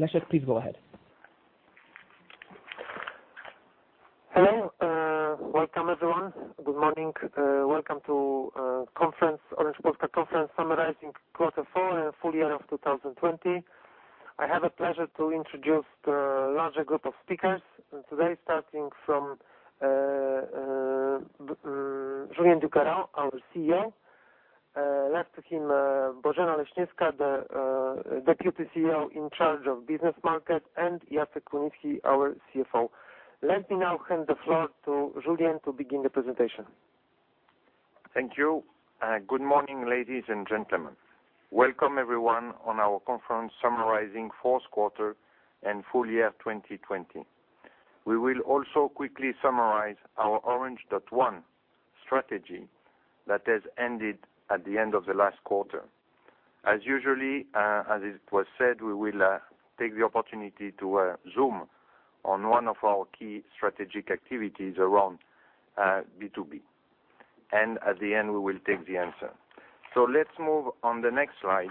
Leszek, please go ahead. Hello. Welcome, everyone. Good morning. Welcome to Orange Polska conference summarizing quarter four and full year of 2020. I have a pleasure to introduce the larger group of speakers today, starting from Julien Ducarroz, our CEO. Left to him, Bożena Leśniewska, the Deputy CEO in charge of business market, and Jacek Kunicki, our CFO. Let me now hand the floor to Julien to begin the presentation. Thank you. Good morning, ladies and gentlemen. Welcome, everyone, on our conference summarizing fourth quarter and full year 2020. We will also quickly summarize our Orange.one strategy that has ended at the end of the last quarter. As usually, as it was said, we will take the opportunity to zoom on one of our key strategic activities around B2B. At the end, we will take the answer. Let's move on the next slide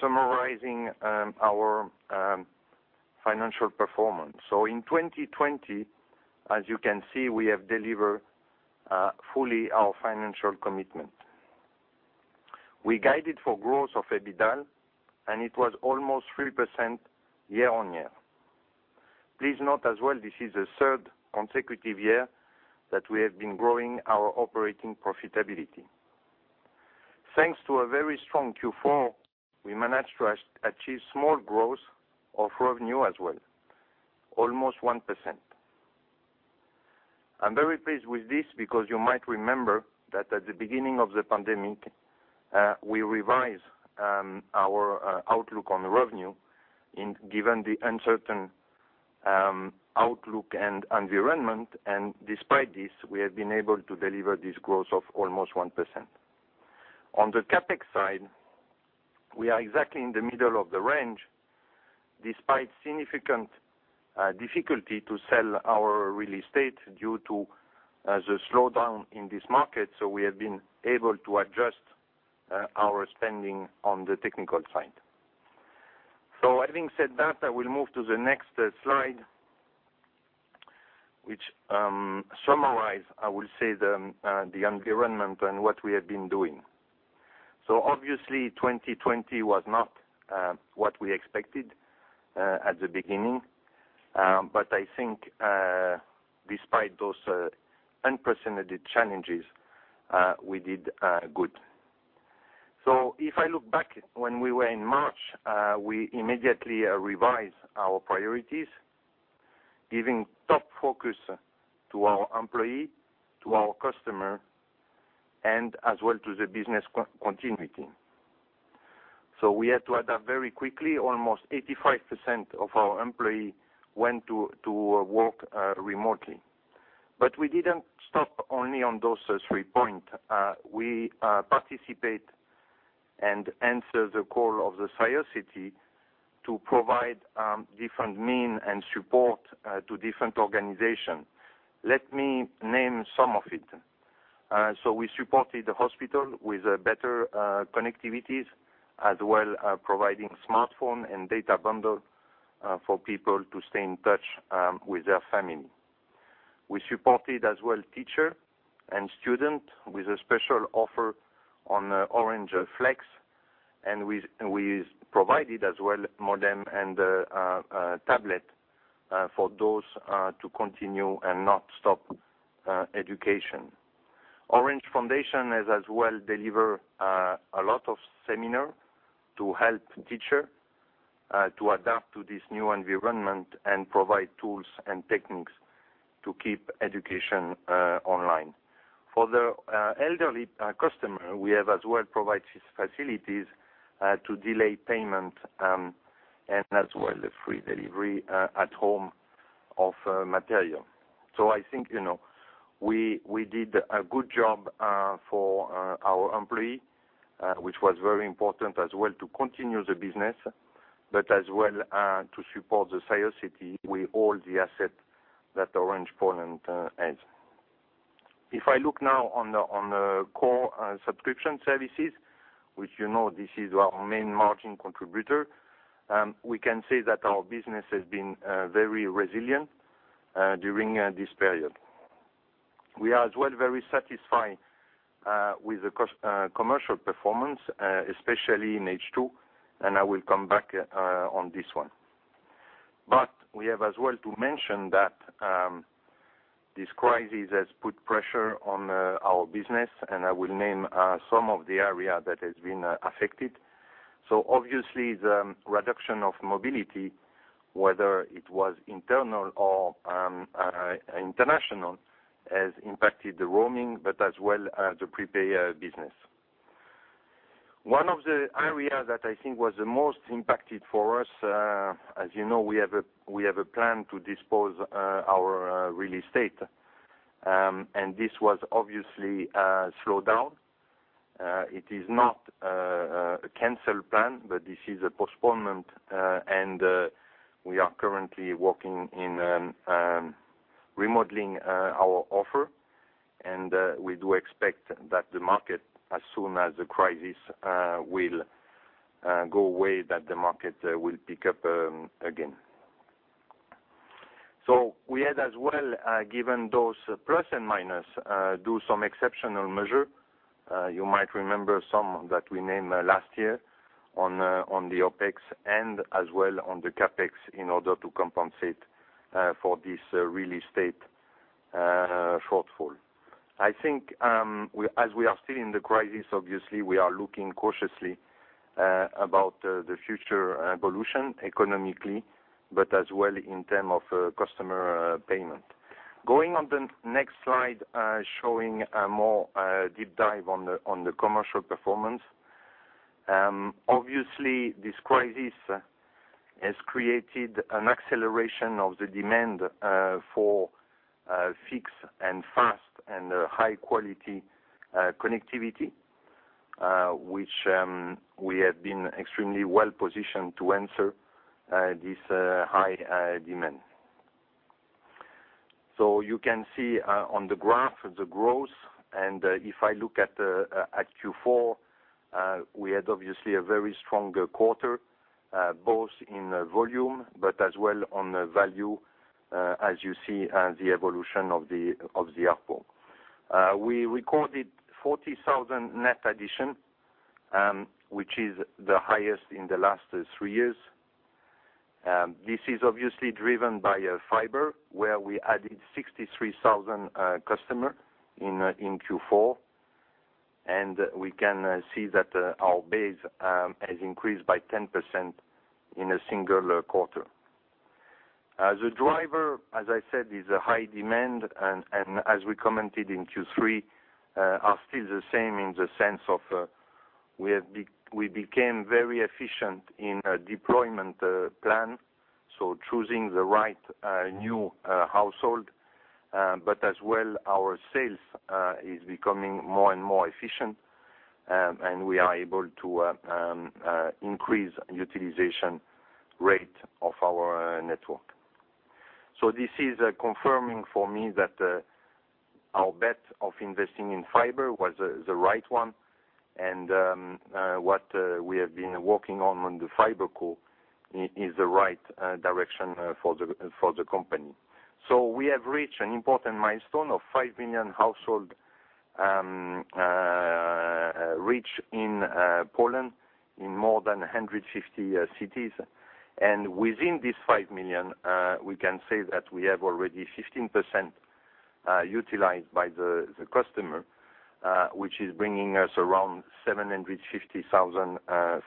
summarizing our financial performance. In 2020, as you can see, we have delivered fully our financial commitment. We guided for growth of EBITDA, and it was almost 3% year-on-year. Please note as well, this is the third consecutive year that we have been growing our operating profitability. Thanks to a very strong Q4, we managed to achieve small growth of revenue as well, almost 1%. I'm very pleased with this because you might remember that at the beginning of the pandemic, we revised our outlook on revenue given the uncertain outlook and environment, and despite this, we have been able to deliver this growth of almost 1%. On the CapEx side, we are exactly in the middle of the range, despite significant difficulty to sell our real estate due to the slowdown in this market. We have been able to adjust our spending on the technical side. Having said that, I will move to the next slide, which summarize, I will say, the environment and what we have been doing. Obviously, 2020 was not what we expected at the beginning. I think, despite those unprecedented challenges, we did good. If I look back when we were in March, we immediately revised our priorities, giving top focus to our employees, to our customers, and as well to the business continuity. We had to adapt very quickly. Almost 85% of our employees went to work remotely. We didn't stop only on those three points. We participate and answer the call of the society to provide different means and support to different organizations. Let me name some of it. We supported the hospitals with better connectivity, as well providing smartphones and data bundles for people to stay in touch with their families. We supported as well teachers and students with a special offer on Orange Flex, and we provided as well modems and tablets for those to continue and not stop education. Orange Foundation has as well delivered a lot of seminar to help teacher to adapt to this new environment and provide tools and techniques to keep education online. For the elderly customer, we have as well provided facilities to delay payment, and as well the free delivery at home of material. I think we did a good job for our employee, which was very important as well to continue the business, but as well to support the society with all the asset that Orange Polska has. If I look now on the core subscription services, which you know this is our main margin contributor, we can say that our business has been very resilient during this period. We are as well very satisfied with the commercial performance, especially in H2, and I will come back on this one. We have as well to mention that this crisis has put pressure on our business, and I will name some of the area that has been affected. Obviously, the reduction of mobility, whether it was internal or international, has impacted the roaming, but as well the prepay business. One of the area that I think was the most impacted for us, as you know, we have a plan to dispose our real estate, and this was obviously slowed down. It is not a canceled plan, but this is a postponement, and we are currently working in remodeling our offer. We do expect that the market, as soon as the crisis will go away, that the market will pick up again. We had as well given those plus and minus, do some exceptional measure. You might remember some that we named last year on the OpEx and as well on the CapEx in order to compensate for this real estate shortfall. I think as we are still in the crisis, obviously, we are looking cautiously about the future evolution economically, but as well in term of customer payment. Going on the next slide showing a more deep dive on the commercial performance. Obviously, this crisis has created an acceleration of the demand for fixed and fast and high quality connectivity which we have been extremely well positioned to answer this high demand. You can see on the graph the growth. If I look at Q4, we had obviously a very strong quarter both in volume but as well on value as you see the evolution of the ARPU. We recorded 40,000 net addition which is the highest in the last three years. This is obviously driven by fiber, where we added 63,000 customer in Q4. We can see that our base has increased by 10% in a single quarter. The driver, as I said, is a high demand and as we commented in Q3 are still the same in the sense of we became very efficient in deployment plan. Choosing the right new household but as well our sales is becoming more and more efficient. We are able to increase utilization rate of our network. This is confirming for me that our bet of investing in fiber was the right one. What we have been working on the FiberCo is the right direction for the company. We have reached an important milestone of 5 million household reached in Poland in more than 150 cities. Within this 5 million we can say that we have already 15% utilized by the customer which is bringing us around 750,000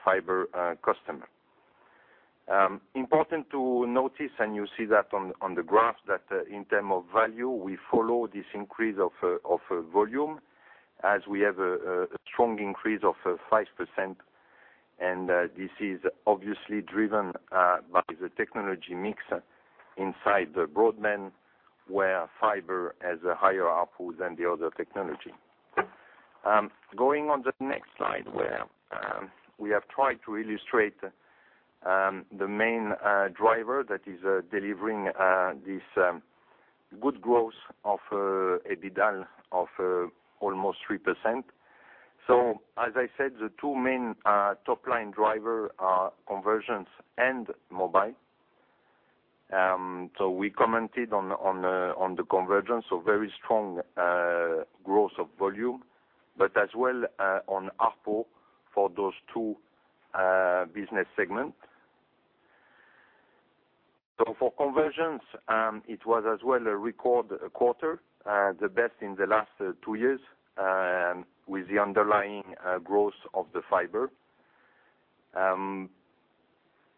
fiber customer. Important to notice, and you see that on the graph, that in term of value, we follow this increase of volume as we have a strong increase of 5%. This is obviously driven by the technology mix inside the broadband where fiber has a higher ARPU than the other technology. Going on the next slide where we have tried to illustrate the main driver that is delivering this good growth of EBITDA of almost 3%. As I said, the two main top line driver are convergence and mobile. We commented on the convergence, so very strong growth of volume, but as well on ARPU for those two business segment. For convergence it was as well a record quarter the best in the last two years with the underlying growth of the fiber.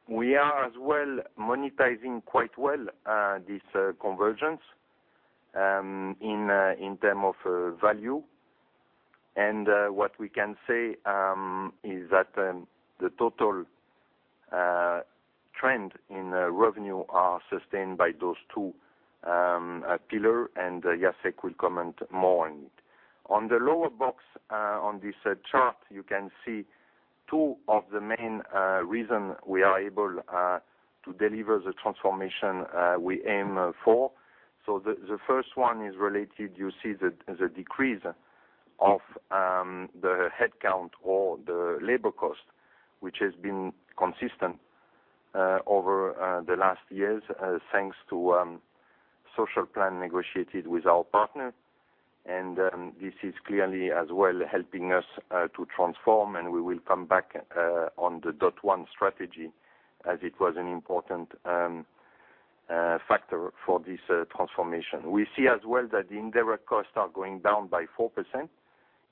We are as well monetizing quite well this convergence in terms of value. What we can say is that the total trend in revenue are sustained by those two pillars and Jacek will comment more on it. On the lower box on this chart, you can see two of the main reasons we are able to deliver the transformation we aim for. The first one is related, you see the decrease of the headcount or the labor cost, which has been consistent over the last years thanks to social plan negotiated with our partner. This is clearly as well helping us to transform, and we will come back on the Orange.one strategy as it was an important factor for this transformation. We see as well that the indirect costs are going down by 4%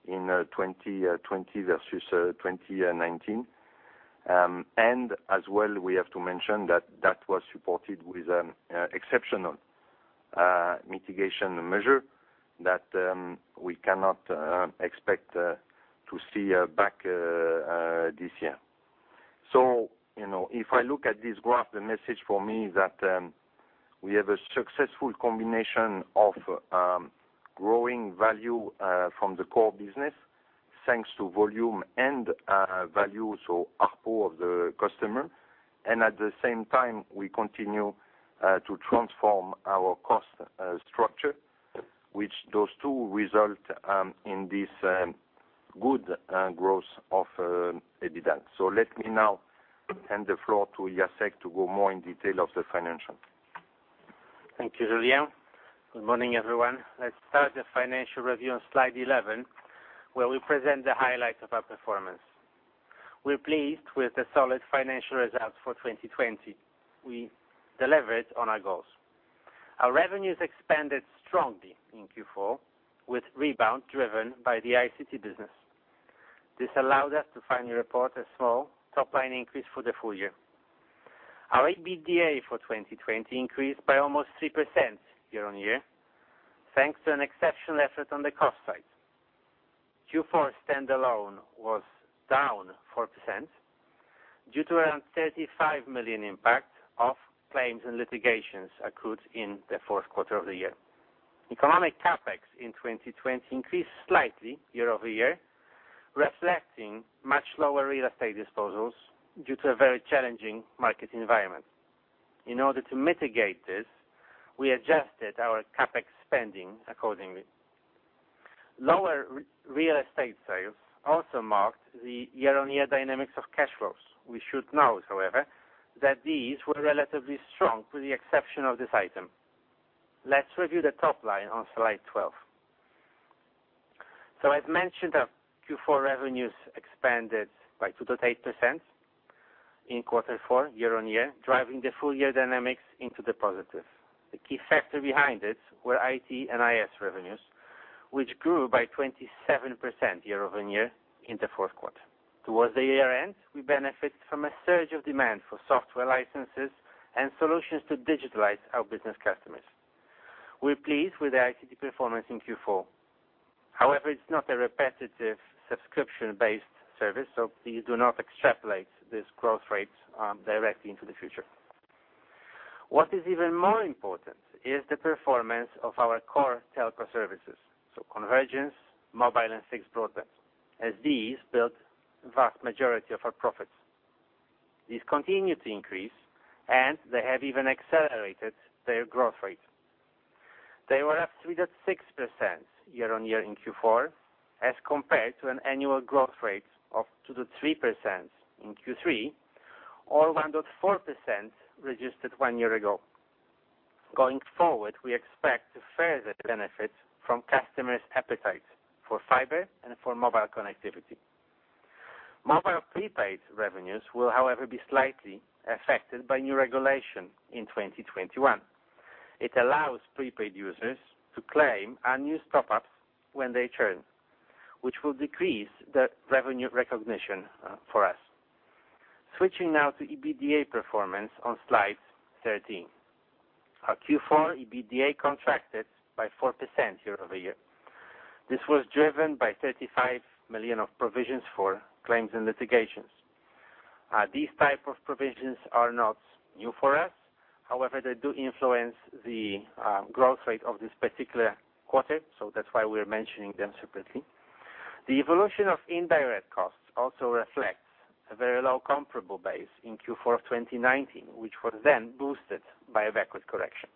in 2020 versus 2019. As well we have to mention that was supported with exceptional mitigation measure that we cannot expect to see back this year. If I look at this graph, the message for me is that we have a successful combination of growing value from the core business. Thanks to volume and value, so ARPU of the customer. At the same time, we continue to transform our cost structure, which those two result in this good growth of EBITDA. Let me now hand the floor to Jacek to go more in detail of the financial. Thank you, Julien. Good morning, everyone. Let's start the financial review on slide 11, where we present the highlights of our performance. We're pleased with the solid financial results for 2020. We delivered on our goals. Our revenues expanded strongly in Q4, with rebound driven by the ICT business. This allowed us to finally report a small top-line increase for the full year. Our EBITDA for 2020 increased by almost 3% year-on-year, thanks to an exceptional effort on the cost side. Q4 standalone was down 4% due to around 35 million impact of claims and litigations accrued in the fourth quarter of the year. Economic CapEx in 2020 increased slightly year-over-year, reflecting much lower real estate disposals due to a very challenging market environment. In order to mitigate this, we adjusted our CapEx spending accordingly. Lower real estate sales also marked the year-on-year dynamics of cash flows. We should note, however, that these were relatively strong with the exception of this item. Let's review the top line on slide 12. As mentioned, our Q4 revenues expanded by 2.8% in quarter four year-on-year, driving the full year dynamics into the positive. The key factor behind it were IT and IS revenues, which grew by 27% year-over-year in the fourth quarter. Towards the year-end, we benefited from a surge of demand for software licenses and solutions to digitalize our business customers. We're pleased with the ICT performance in Q4. However, it's not a repetitive subscription-based service, please do not extrapolate these growth rates directly into the future. What is even more important is the performance of our core telco services, convergence, mobile, and fixed broadband, as these build vast majority of our profits. These continue to increase, they have even accelerated their growth rate. They were up 3.6% year-on-year in Q4 as compared to an annual growth rate of 2.3% in Q3 or 1.4% registered one year ago. Going forward, we expect to further benefit from customers' appetite for fiber and for mobile connectivity. Mobile prepaid revenues will, however, be slightly affected by new regulation in 2021. It allows prepaid users to claim unused top-ups when they churn, which will decrease the revenue recognition for us. Switching now to EBITDA performance on slide 13. Our Q4 EBITDA contracted by 4% year-over-year. This was driven by 35 million of provisions for claims and litigations. These type of provisions are not new for us. They do influence the growth rate of this particular quarter. That's why we're mentioning them separately. The evolution of indirect costs also reflects a very low comparable base in Q4 of 2019, which was then boosted by a backward correction.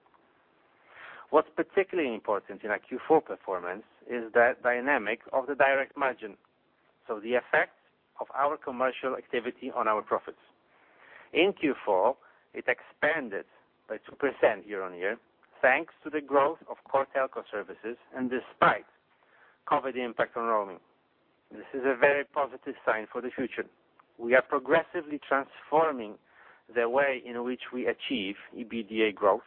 What's particularly important in our Q4 performance is the dynamic of the direct margin, so the effect of our commercial activity on our profits. In Q4, it expanded by 2% year-on-year, thanks to the growth of core telco services and despite COVID impact on roaming. This is a very positive sign for the future. We are progressively transforming the way in which we achieve EBITDA growth,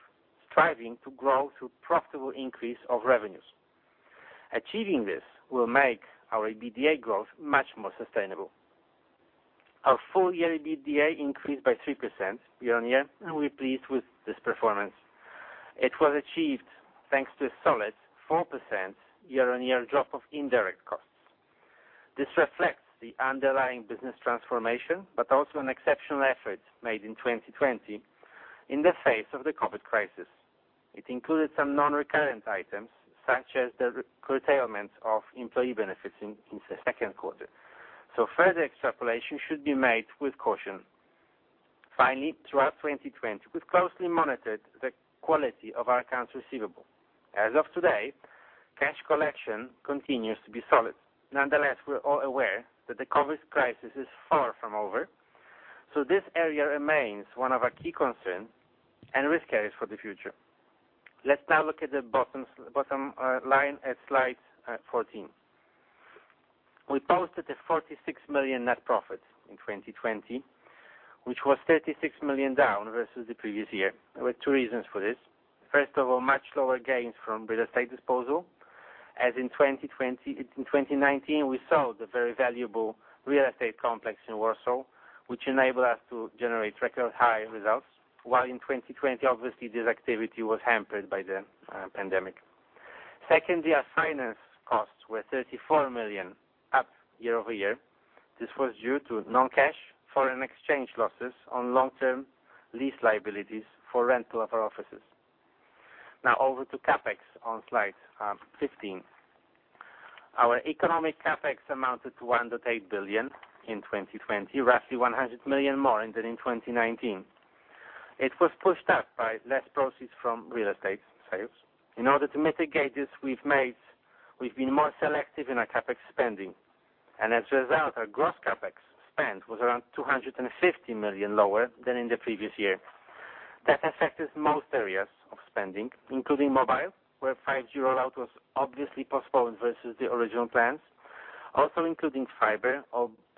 striving to grow through profitable increase of revenues. Achieving this will make our EBITDA growth much more sustainable. Our full year EBITDA increased by 3% year-on-year. We're pleased with this performance. It was achieved thanks to a solid 4% year-on-year drop of indirect costs. This reflects the underlying business transformation. Also an exceptional effort made in 2020 in the face of the COVID crisis. It included some non-recurrent items, such as the curtailment of employee benefits in the second quarter. Further extrapolation should be made with caution. Finally, throughout 2020, we've closely monitored the quality of our accounts receivable. As of today, cash collection continues to be solid. Nonetheless, we're all aware that the COVID crisis is far from over; this area remains one of our key concern and risk areas for the future. Let's now look at the bottom line at slide 14. We posted a 46 million net profit in 2020, which was 36 million down versus the previous year. There were two reasons for this. First of all, much lower gains from real estate disposal, as in 2019, we sold a very valuable real estate complex in Warsaw, which enabled us to generate record high results. While in 2020, obviously, this activity was hampered by the pandemic. Secondly, our finance costs were 34 million up year-over-year. This was due to non-cash foreign exchange losses on long-term lease liabilities for rental of our offices. Now over to CapEx on slide 15. Our economic CapEx amounted to 1.8 billion in 2020, roughly 100 million more than in 2019. It was pushed up by less proceeds from real estate sales. In order to mitigate this, we've been more selective in our CapEx spending, and as a result, our gross CapEx spend was around 250 million lower than in the previous year. That affected most areas of spending, including mobile, where 5G rollout was obviously postponed versus the original plans, also including fiber,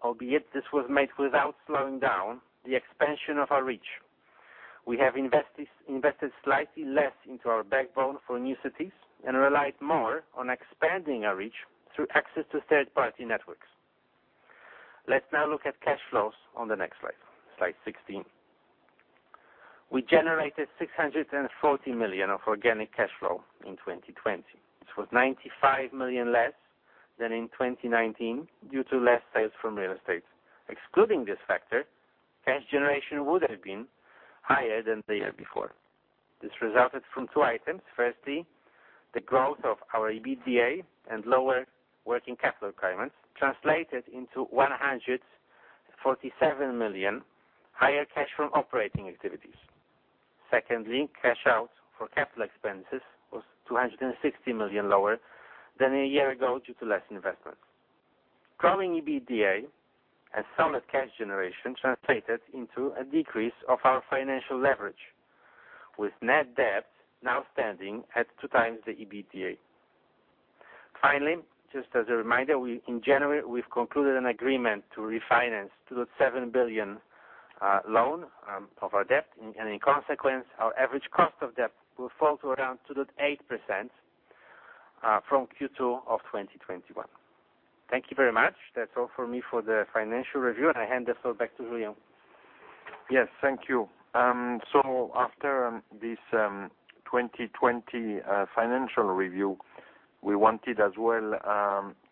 albeit this was made without slowing down the expansion of our reach. We have invested slightly less into our backbone for new cities and relied more on expanding our reach through access to third-party networks. Let's now look at cash flows on the next slide 16. We generated 640 million of organic cash flow in 2020. This was 95 million less than in 2019 due to less sales from real estate. Excluding this factor, cash generation would have been higher than the year before. This resulted from two items. The growth of our EBITDA and lower working capital requirements translated into 147 million higher cash from operating activities. Cash out for capital expenses was 260 million lower than a year ago due to less investment. Growing EBITDA and solid cash generation translated into a decrease of our financial leverage, with net debt now standing at 2x the EBITDA. Just as a reminder, in January, we've concluded an agreement to refinance 2.7 billion loan of our debt. In consequence, our average cost of debt will fall to around 2.8% from Q2 of 2021. Thank you very much. That's all for me for the financial review, and I hand the floor back to Julien. Yes, thank you. After this 2020 financial review, we wanted as well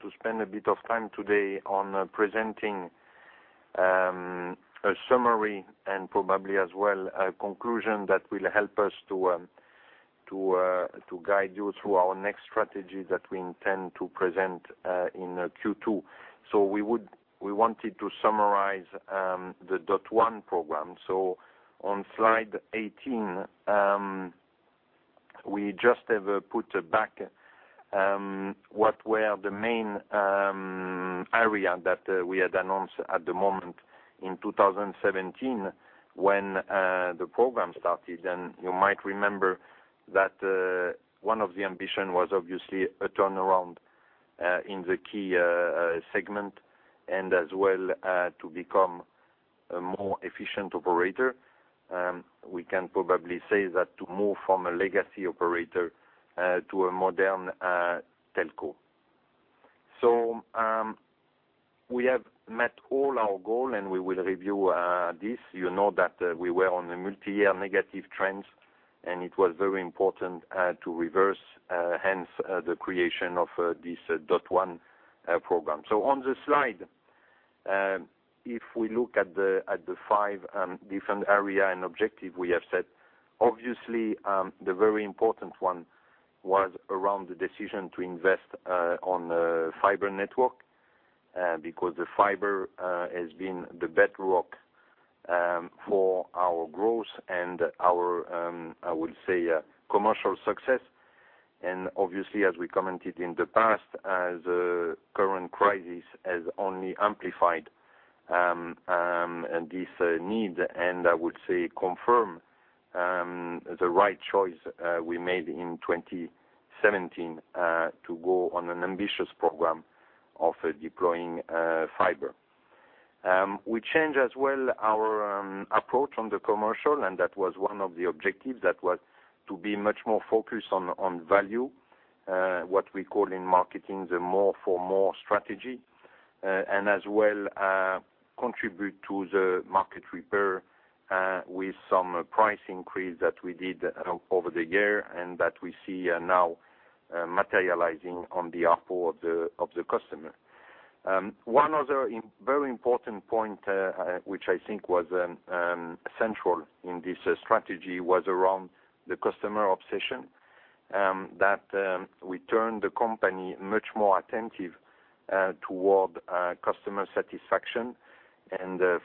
to spend a bit of time today on presenting a summary and probably as well a conclusion that will help us to guide you through our next strategy that we intend to present in Q2. We wanted to summarize the Orange.one program. On slide 18, we just have put back what were the main area that we had announced at the moment in 2017 when the program started. You might remember that one of the ambition was obviously a turnaround in the key segment and as well to become a more efficient operator. We can probably say that to move from a legacy operator to a modern telco. We have met all our goal, and we will review this. You know that we were on a multi-year negative trends, it was very important to reverse, hence the creation of this Orange.one program. On the slide, if we look at the five different area and objective we have set, obviously, the very important one was around the decision to invest on fiber network. The fiber has been the bedrock for our growth and our, I would say, commercial success. Obviously, as we commented in the past, the current crisis has only amplified this need, and I would say confirm the right choice we made in 2017 to go on an ambitious program of deploying fiber. We change as well our approach on the commercial, that was one of the objectives that was to be much more focused on value, what we call in marketing, the more for more strategy. As well contribute to the market repair with some price increase that we did over the year and that we see now materializing on the ARPU of the customer. One other very important point which I think was central in this strategy was around the customer obsession that we turned the company much more attentive toward customer satisfaction.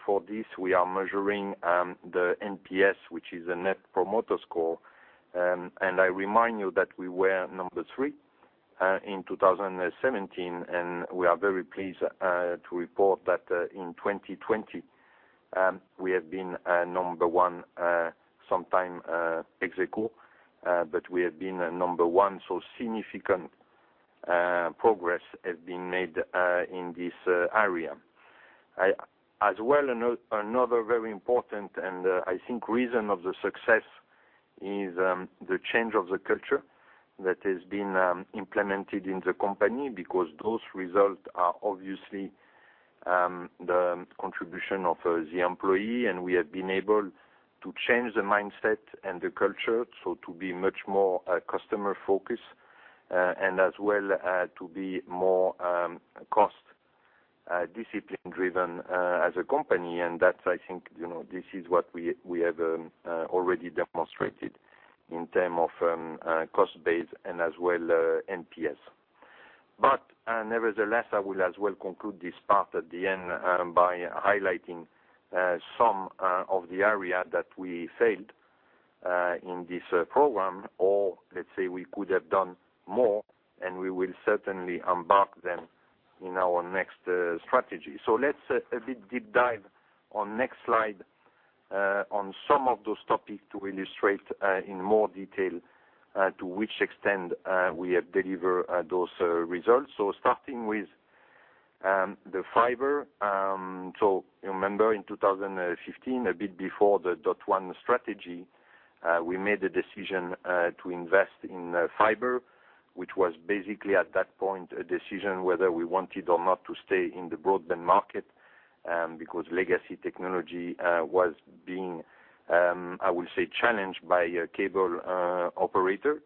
For this, we are measuring the NPS, which is a net promoter score. I remind you that we were number three in 2017, and we are very pleased to report that in 2020, we have been number one sometime ex aequo. We have been number one, so significant progress has been made in this area. Another very important, and I think reason of the success is the change of the culture that has been implemented in the company because those results are obviously the contribution of the employee, and we have been able to change the mindset and the culture, so to be much more customer-focused, and as well to be more cost-discipline driven as a company, I think this is what we have already demonstrated in terms of cost base and as well, NPS. Nevertheless, I will as well conclude this part at the end by highlighting some of the areas that we failed in this program, or let's say we could have done more, and we will certainly embark them in our next strategy. Let's a bit deep dive on next slide on some of those topics to illustrate in more detail to which extent we have deliver those results. Starting with the fiber. You remember in 2015, a bit before the Orange.one strategy, we made a decision to invest in fiber, which was basically at that point a decision whether we wanted or not to stay in the broadband market because legacy technology was being, I would say, challenged by a cable operator.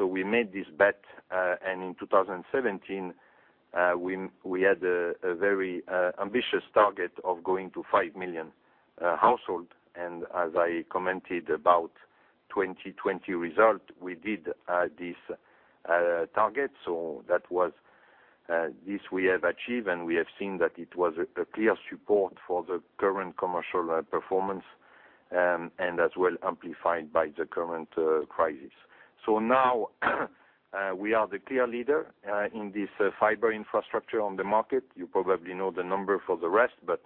We made this bet. In 2017, we had a very ambitious target of going to 5 million household. As I commented about 2020 result, we did this target. That was this we have achieved, and we have seen that it was a clear support for the current commercial performance, and as well amplified by the current crisis. Now we are the clear leader in this fiber infrastructure on the market. You probably know the number for the rest, but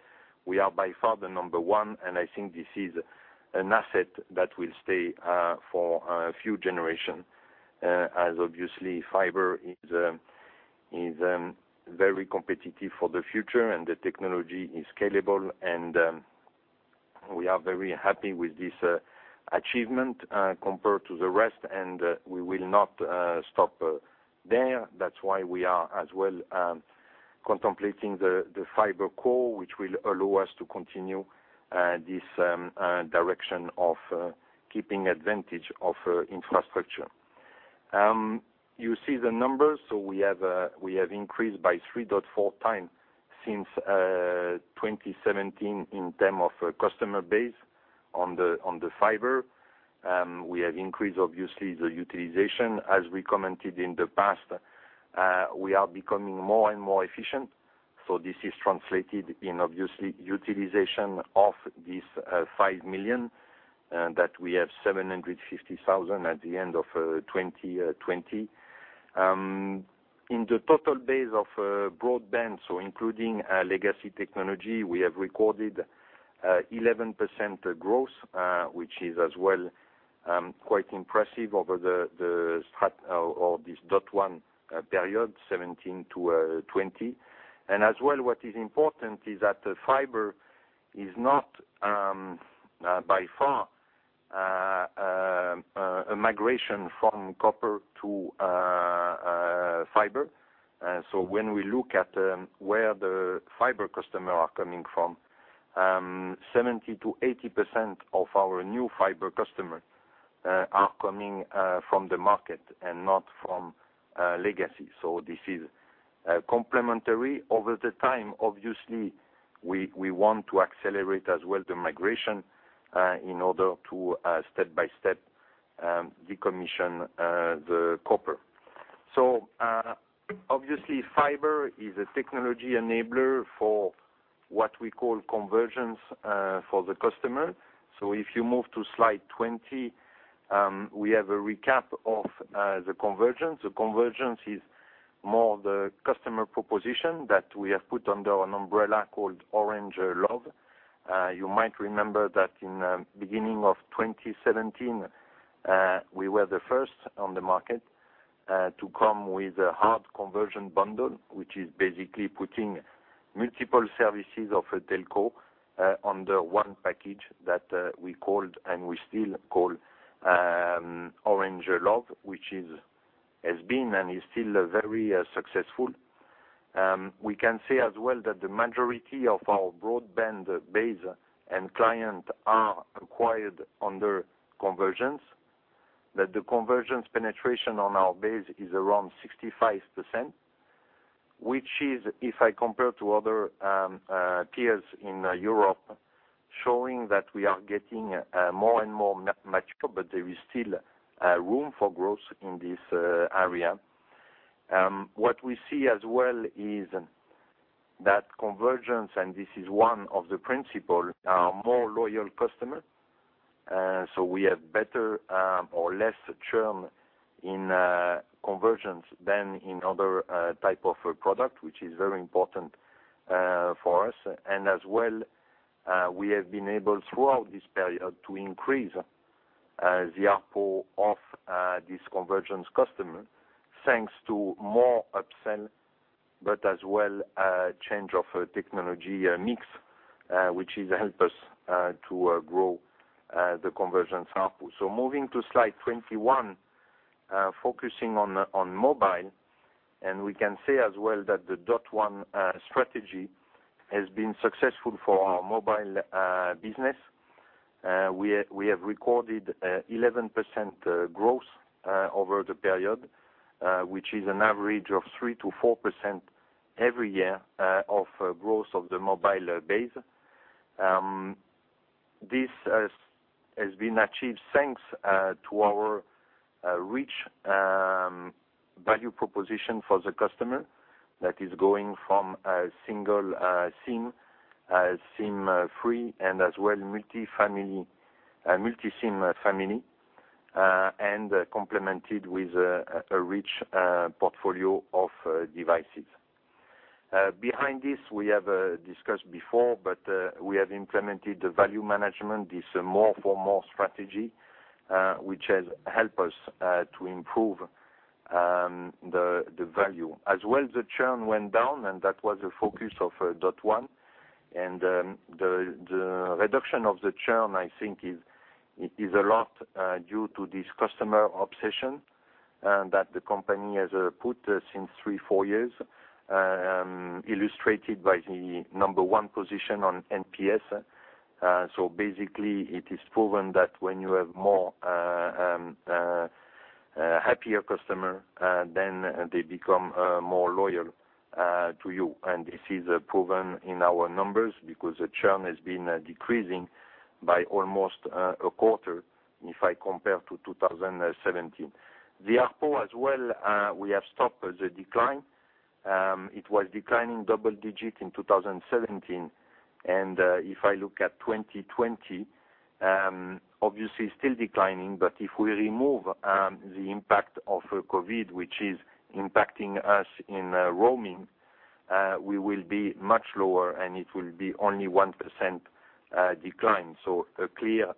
we are by far the number one, and I think this is an asset that will stay for a few generation, as obviously fiber is very competitive for the future, and the technology is scalable, and we are very happy with this achievement compared to the rest, and we will not stop there. That's why we are as well contemplating the FiberCo, which will allow us to continue this direction of keeping advantage of infrastructure. You see the numbers. We have increased by 3.4x since 2017 in term of customer base on the fiber. We have increased, obviously, the utilization. As we commented in the past, we are becoming more and more efficient. This is translated in obviously utilization of this 5 million that we have 750,000 at the end of 2020. In the total base of broadband, so including legacy technology, we have recorded 11% growth, which is as well quite impressive over this Orange.one period 2017 to 2020. As well, what is important is that the fiber is not by far a migration from copper to fiber. When we look at where the fiber customer are coming from, 70%-80% of our new fiber customer are coming from the market and not from legacy. This is complementary over the time. Obviously, we want to accelerate as well the migration in order to step by step decommission the copper. Obviously, fiber is a technology enabler for what we call convergence for the customer. If you move to slide 20, we have a recap of the convergence. The convergence is more the customer proposition that we have put under an umbrella called Orange Love. You might remember that in beginning of 2017, we were the first on the market to come with a hard conversion bundle, which is basically putting multiple services of a telco under one package that we called, and we still call Orange Love, which has been and is still very successful. We can say as well that the majority of our broadband base and client are acquired under convergence, that the convergence penetration on our base is around 65%, which is, if I compare to other peers in Europe, showing that we are getting more and more mature, but there is still room for growth in this area. What we see as well is that convergence, and this is one of the principle, are more loyal customer. We have better or less churn in convergence than in other type of product, which is very important for us. As well, we have been able throughout this period to increase the ARPU of this convergence customer, thanks to more upsell, but as well change of technology mix which has helped us to grow the convergence ARPU. Moving to slide 21, focusing on mobile, we can say as well that the Orange.one strategy has been successful for our mobile business. We have recorded 11% growth over the period, which is an average of 3%-4% every year of growth of the mobile base. This has been achieved thanks to our rich value proposition for the customer that is going from a single SIM free, and as well multi-SIM family, and complemented with a rich portfolio of devices. Behind this, we have discussed before, but we have implemented the value management, this More for More Strategy, which has helped us to improve the value. The churn went down, and that was a focus of Orange.one. The reduction of the churn, I think, is a lot due to this customer obsession that the company has put since three, four years, illustrated by the number 1 position on NPS. Basically, it is proven that when you have more happier customer, then they become more loyal to you. This is proven in our numbers because the churn has been decreasing by almost a quarter if I compare to 2017. The ARPU as well, we have stopped the decline. It was declining double digit in 2017. If I look at 2020, obviously still declining, but if we remove the impact of COVID, which is impacting us in roaming, we will be much lower and it will be only 1% decline. A clear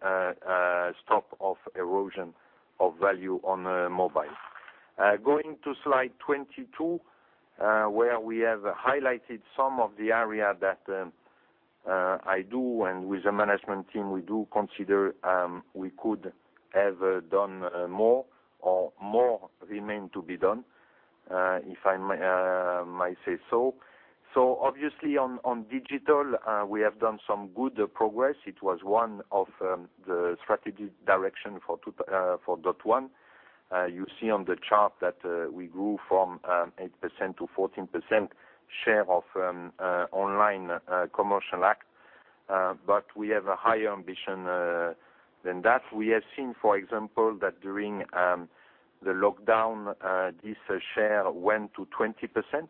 stop of erosion of value on mobile. Going to slide 22, where we have highlighted some of the area that I do, and with the management team, we do consider we could have done more or more remain to be done, if I might say so. Obviously on digital, we have done some good progress. It was one of the strategic direction for Orange.one. You see on the chart that we grew from 8%-14% share of online commercial act, we have a higher ambition than that. We have seen, for example, that during the lockdown, this share went to 20%,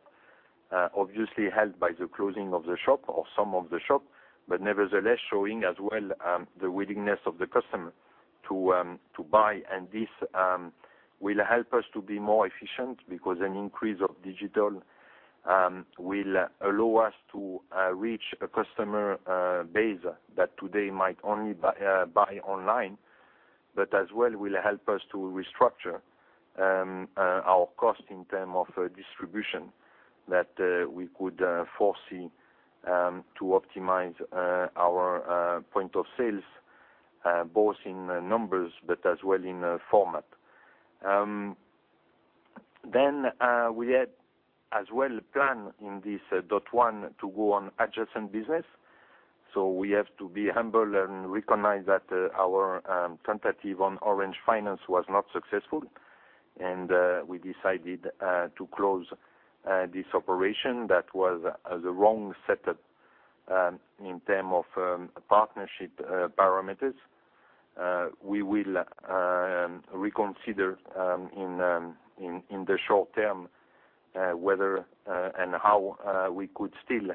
obviously helped by the closing of the shop or some of the shop, but nevertheless, showing as well the willingness of the customer to buy. This will help us to be more efficient because an increase of digital will allow us to reach a customer base that today might only buy online, but as well will help us to restructure our cost in terms of distribution that we could foresee to optimize our points of sale, both in numbers but as well in format. We had as well planned in this Orange.one to go on adjacent business. We have to be humble and recognize that our tentative on Orange Finance was not successful, and we decided to close this operation that was the wrong setup in terms of partnership parameters. We will reconsider in the short term whether and how we could still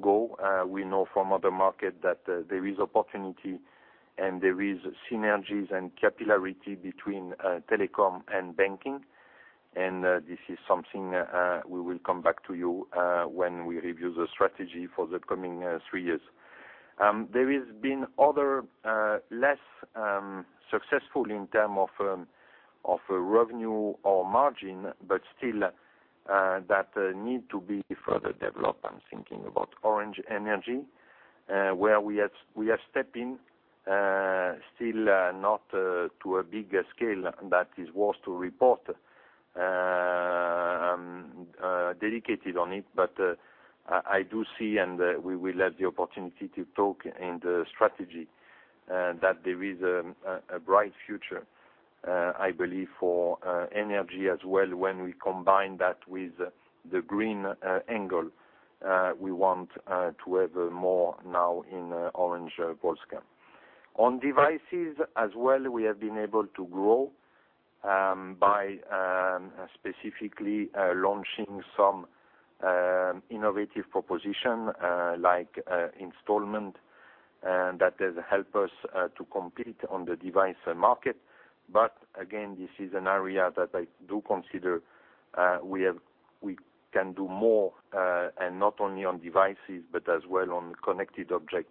go. We know from other market that there is opportunity and there is synergies and capillarity between telecom and banking. This is something we will come back to you when we review the strategy for the coming three years. There has been other less successful in terms of revenue or margin, but still that need to be further developed. I'm thinking about Orange Energia, where we have stepped in, still not to a big scale that is worth to report dedicated on it. I do see, and we will have the opportunity to talk in the strategy, that there is a bright future, I believe, for energy as well when we combine that with the green angle we want to have more now in Orange Polska. On devices as well, we have been able to grow by specifically launching some innovative proposition like installment that has helped us to compete on the device market. Again, this is an area that I do consider we can do more, and not only on devices, but as well on connected object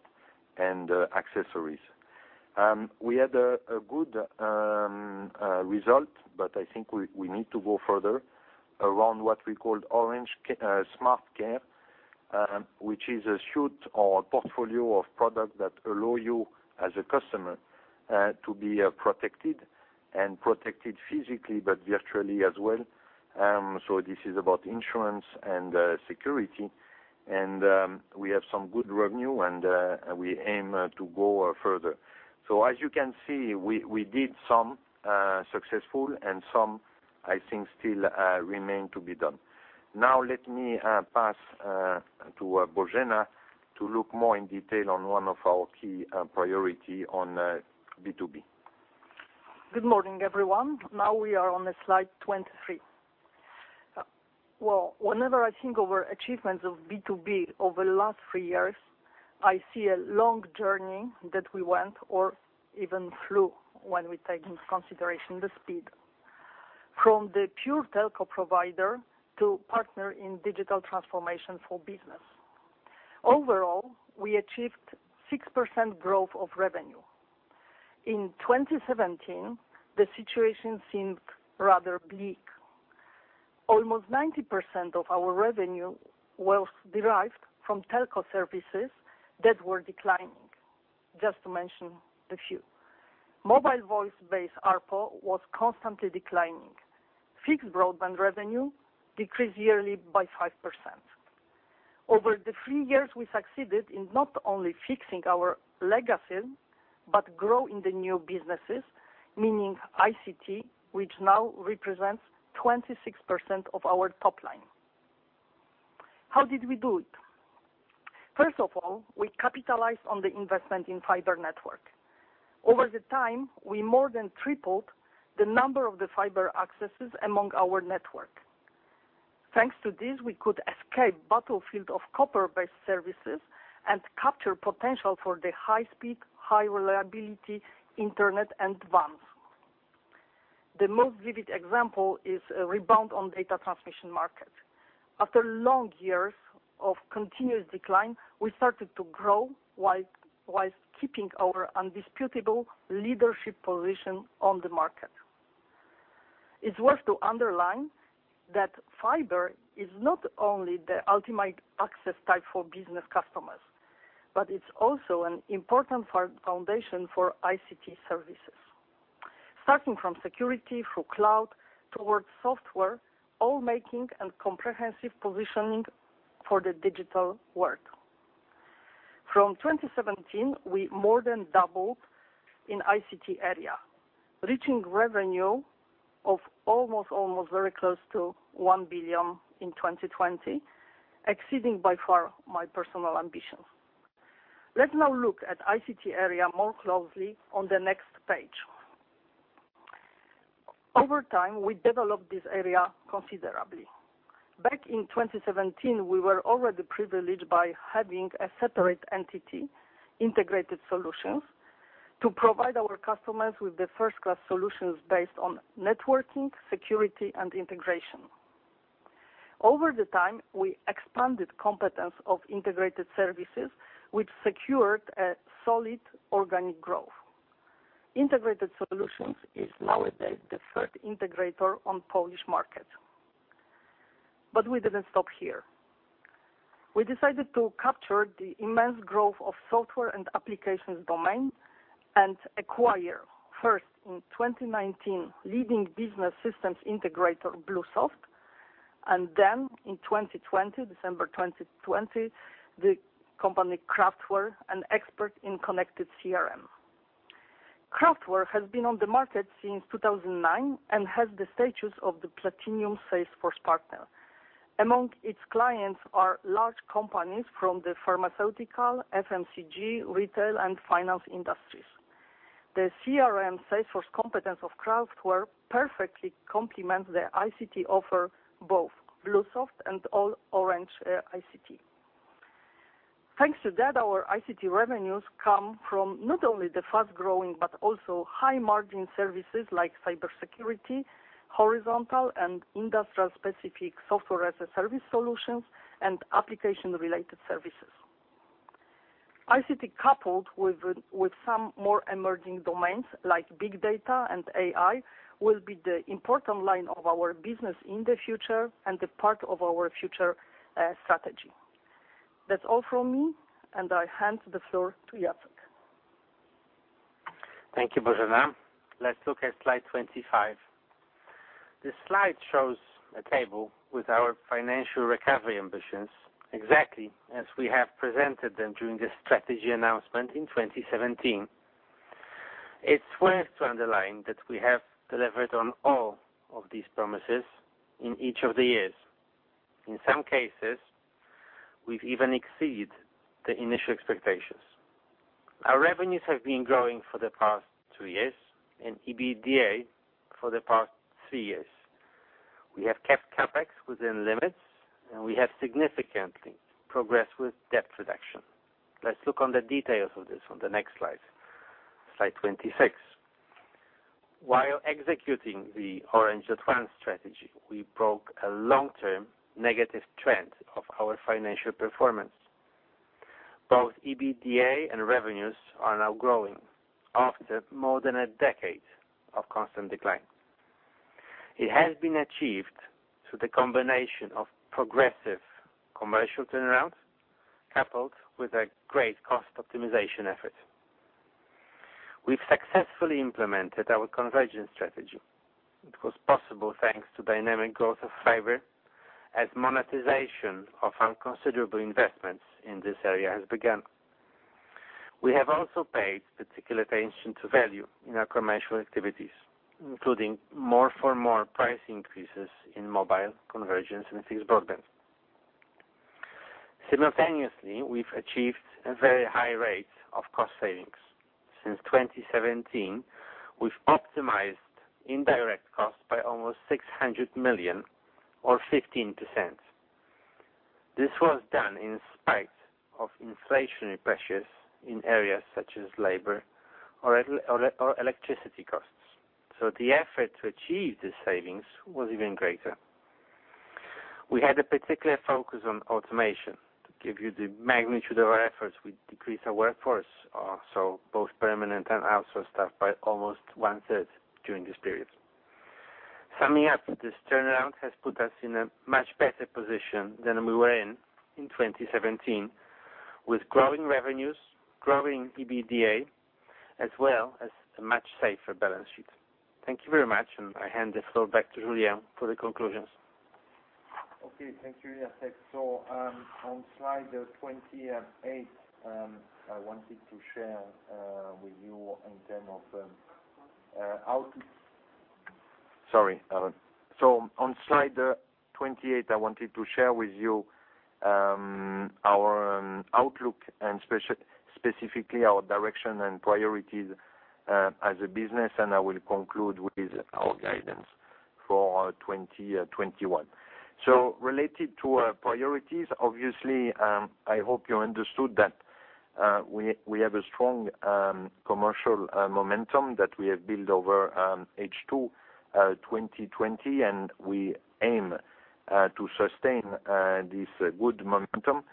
and accessories. We had a good result, but I think we need to go further around what we call Orange Smart Care, which is a suite or portfolio of product that allow you as a customer. To be protected physically, but virtually as well. This is about insurance and security, and we have some good revenue, and we aim to go further. As you can see, we did some successful and some, I think, still remain to be done. Now let me pass to Bożena to look more in detail on one of our key priority on B2B. Good morning, everyone. Now we are on slide 23. Well, whenever I think of our achievements of B2B over the last three years, I see a long journey that we went or even flew, when we take into consideration the speed. From the pure telco provider to partner in digital transformation for business. Overall, we achieved 6% growth of revenue. In 2017, the situation seemed rather bleak. Almost 90% of our revenue was derived from telco services that were declining. Just to mention a few. Mobile voice base ARPU was constantly declining. Fixed broadband revenue decreased yearly by 5%. Over the three years, we succeeded in not only fixing our legacy, but grow in the new businesses, meaning ICT, which now represents 26% of our top line. How did we do it? First of all, we capitalized on the investment in fiber network. Over the time, we more than tripled the number of the fiber accesses among our network. Thanks to this, we could escape battlefield of copper-based services and capture potential for the high speed, high reliability Orange Advance. The most vivid example is a rebound on data transmission market. After long years of continuous decline, we started to grow whilst keeping our undisputable leadership position on the market. It's worth to underline that fiber is not only the ultimate access type for business customers, but it's also an important foundation for ICT services. Starting from security, through cloud, towards software, all making and comprehensive positioning for the digital world. From 2017, we more than doubled in ICT area, reaching revenue of almost very close to 1 billion in 2020, exceeding by far my personal ambition. Let's now look at ICT area more closely on the next page. Over time, we developed this area considerably. Back in 2017, we were already privileged by having a separate entity, Integrated Solutions, to provide our customers with the first-class solutions based on networking, security, and integration. Over the time, we expanded competence of integrated services, which secured a solid organic growth. Integrated Solutions is nowadays the third integrator on Polish market. We didn't stop here. We decided to capture the immense growth of software and applications domain and acquire first in 2019, leading business systems integrator, BlueSoft, and then in 2020, December 2020, the company Craftware, an expert in connected CRM. Craftware has been on the market since 2009 and has the status of the platinum Salesforce partner. Among its clients are large companies from the pharmaceutical, FMCG, retail, and finance industries. The CRM Salesforce competence of Craftware perfectly complement the ICT offer, both BlueSoft and all Orange ICT. Thanks to that, our ICT revenues come from not only the fast-growing but also high-margin services like cybersecurity, horizontal and industrial specific software as a service solutions, and application-related services. ICT coupled with some more emerging domains like big data and AI, will be the important line of our business in the future and the part of our future strategy. That's all from me, and I hand the floor to Jacek. Thank you, Bożena. Let's look at slide 25. This slide shows a table with our financial recovery ambitions, exactly as we have presented them during the strategy announcement in 2017. It's worth to underline that we have delivered on all of these promises in each of the years. In some cases, we've even exceeded the initial expectations. Our revenues have been growing for the past two years and EBITDA for the past three years. We have kept CapEx within limits. We have significantly progressed with debt reduction. Let's look on the details of this on the next slide 26. While executing the Orange Advance strategy, we broke a long-term negative trend of our financial performance. Both EBITDA and revenues are now growing after more than a decade of constant decline. It has been achieved through the combination of progressive commercial turnarounds, coupled with a great cost optimization effort. We've successfully implemented our convergence strategy. It was possible thanks to dynamic growth of fiber, as monetization of our considerable investments in this area has begun. We have also paid particular attention to value in our commercial activities, including more for more price increases in mobile convergence and fixed broadband. Simultaneously, we've achieved a very high rate of cost savings. Since 2017, we've optimized indirect costs by almost 600 million or 15%. This was done in spite of inflationary pressures in areas such as labor or electricity costs. The effort to achieve these savings was even greater. We had a particular focus on automation. To give you the magnitude of our efforts, we decreased our workforce, so both permanent and outsourced staff, by almost 1/3 during this period. Summing up this turnaround has put us in a much better position than we were in in 2017, with growing revenues, growing EBITDA, as well as a much safer balance sheet. Thank you very much. I hand the floor back to Julien for the conclusions. Okay. Thank you, Jacek. On slide 28, I wanted to share with you our outlook and specifically our direction and priorities as a business, and I will conclude with our guidance for 2021. Related to our priorities, obviously, I hope you understood that we have a strong commercial momentum that we have built over H2 2020, and we aim to sustain this good momentum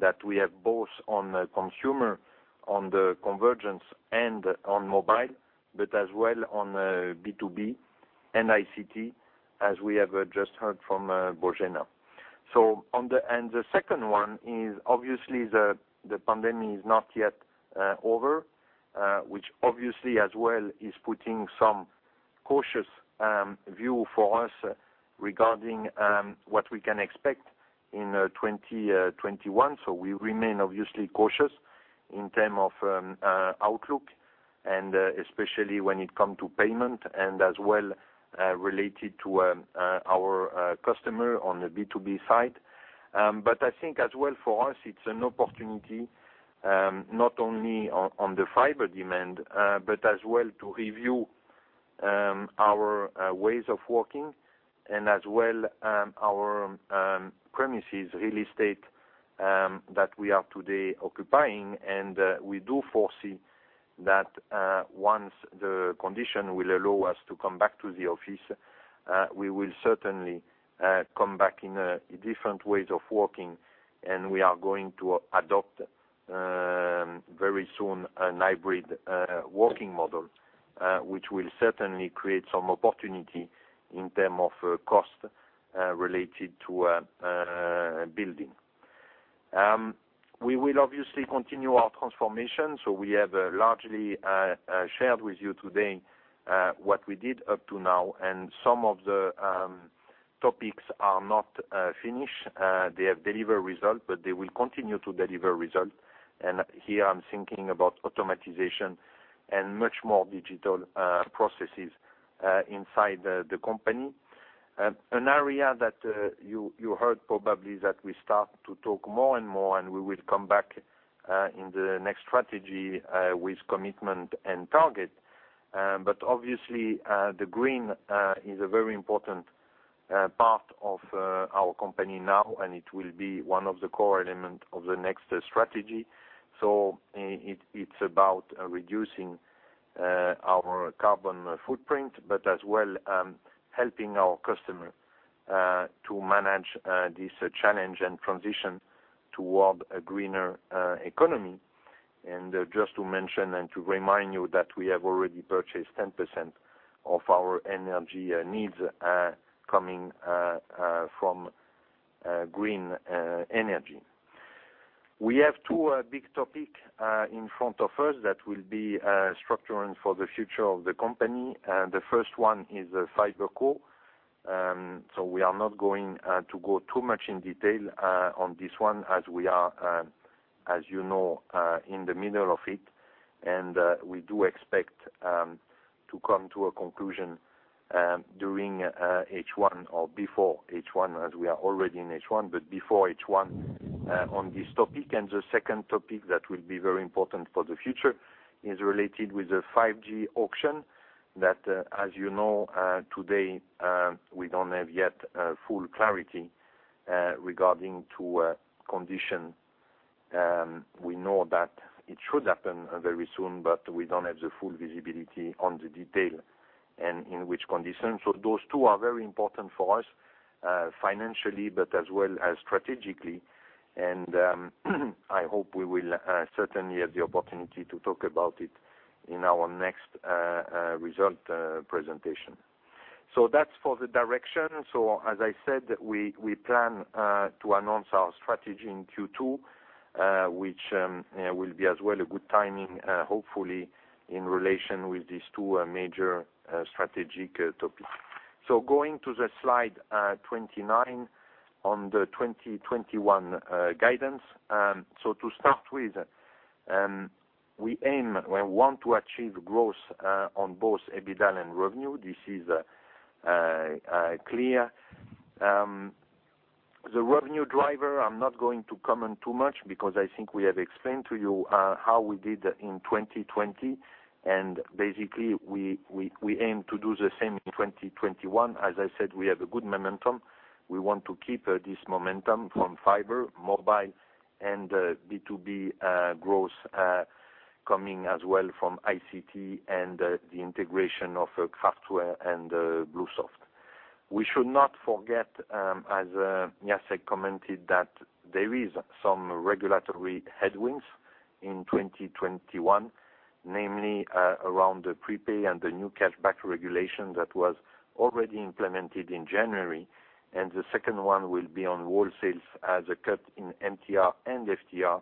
that we have both on the consumer, on the convergence, and on mobile, but as well on B2B and ICT as we have just heard from Bożena. The second one is, obviously, the pandemic is not yet over, which obviously as well is putting some cautious view for us regarding what we can expect in 2021. We remain obviously cautious in term of outlook and especially when it come to payment and as well related to our customer on the B2B side. I think as well for us, it's an opportunity, not only on the fiber demand, but as well to review our ways of working and as well our premises real estate that we are today occupying. We do foresee that once the condition will allow us to come back to the office, we will certainly come back in different ways of working, and we are going to adopt very soon an hybrid working model, which will certainly create some opportunity in term of cost related to building. We will obviously continue our transformation. We have largely shared with you today what we did up to now, and some of the topics are not finished. They have delivered results, but they will continue to deliver results. Here, I'm thinking about automatization and much more digital processes inside the company. An area that you heard probably that we start to talk more and more. We will come back in the next strategy with commitment and target. Obviously, the green is a very important part of our company now. It will be one of the core element of the next strategy. It's about reducing our carbon footprint, as well helping our customer to manage this challenge and transition toward a greener economy. Just to mention and to remind you that we have already purchased 10% of our energy needs coming from green energy. We have two big topic in front of us that will be structuring for the future of the company. The first one is FiberCo. We are not going to go too much in detail on this one as we are, as you know, in the middle of it. We do expect to come to a conclusion during H1 or before H1, as we are already in H1, but before H1 on this topic. The second topic that will be very important for the future is related with the 5G auction that, as you know today, we don't have yet full clarity regarding to condition. We know that it should happen very soon, but we don't have the full visibility on the detail and in which condition. Those two are very important for us financially but as well as strategically. I hope we will certainly have the opportunity to talk about it in our next result presentation. That's for the direction. As I said, we plan to announce our strategy in Q2 which will be as well a good timing, hopefully, in relation with these two major strategic topics. Going to slide 29 on the 2021 guidance. To start with, we want to achieve growth on both EBITDA and revenue. This is clear. The revenue driver, I'm not going to comment too much because I think we have explained to you how we did in 2020. Basically, we aim to do the same in 2021. As I said, we have a good momentum. We want to keep this momentum from fiber, mobile, and B2B growth coming as well from ICT and the integration of Craftware and BlueSoft. We should not forget, as Jacek commented, that there is some regulatory headwinds in 2021, namely around the prepay and the new cashback regulation that was already implemented in January. The second one will be on wholesale as a cut in MTR and FTR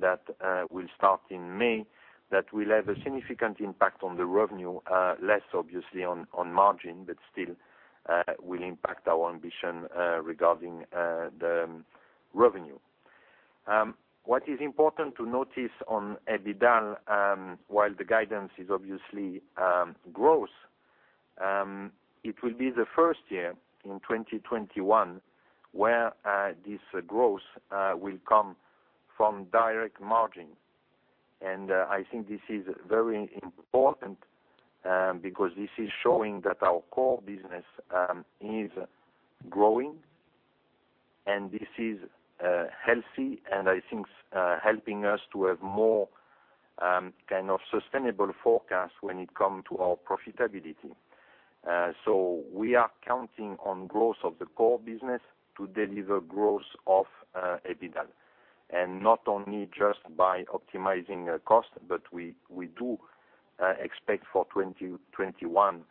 that will start in May. That will have a significant impact on the revenue, less obviously on margin, but still will impact our ambition regarding the revenue. What is important to notice on EBITDA, while the guidance is obviously growth it will be the first year in 2021 where this growth will come from direct margin. I think this is very important because this is showing that our core business is growing, and this is healthy, and I think helping us to have more sustainable forecast when it comes to our profitability. We are counting on growth of the core business to deliver growth of EBITDA. Not only just by optimizing cost, but we do expect for 2021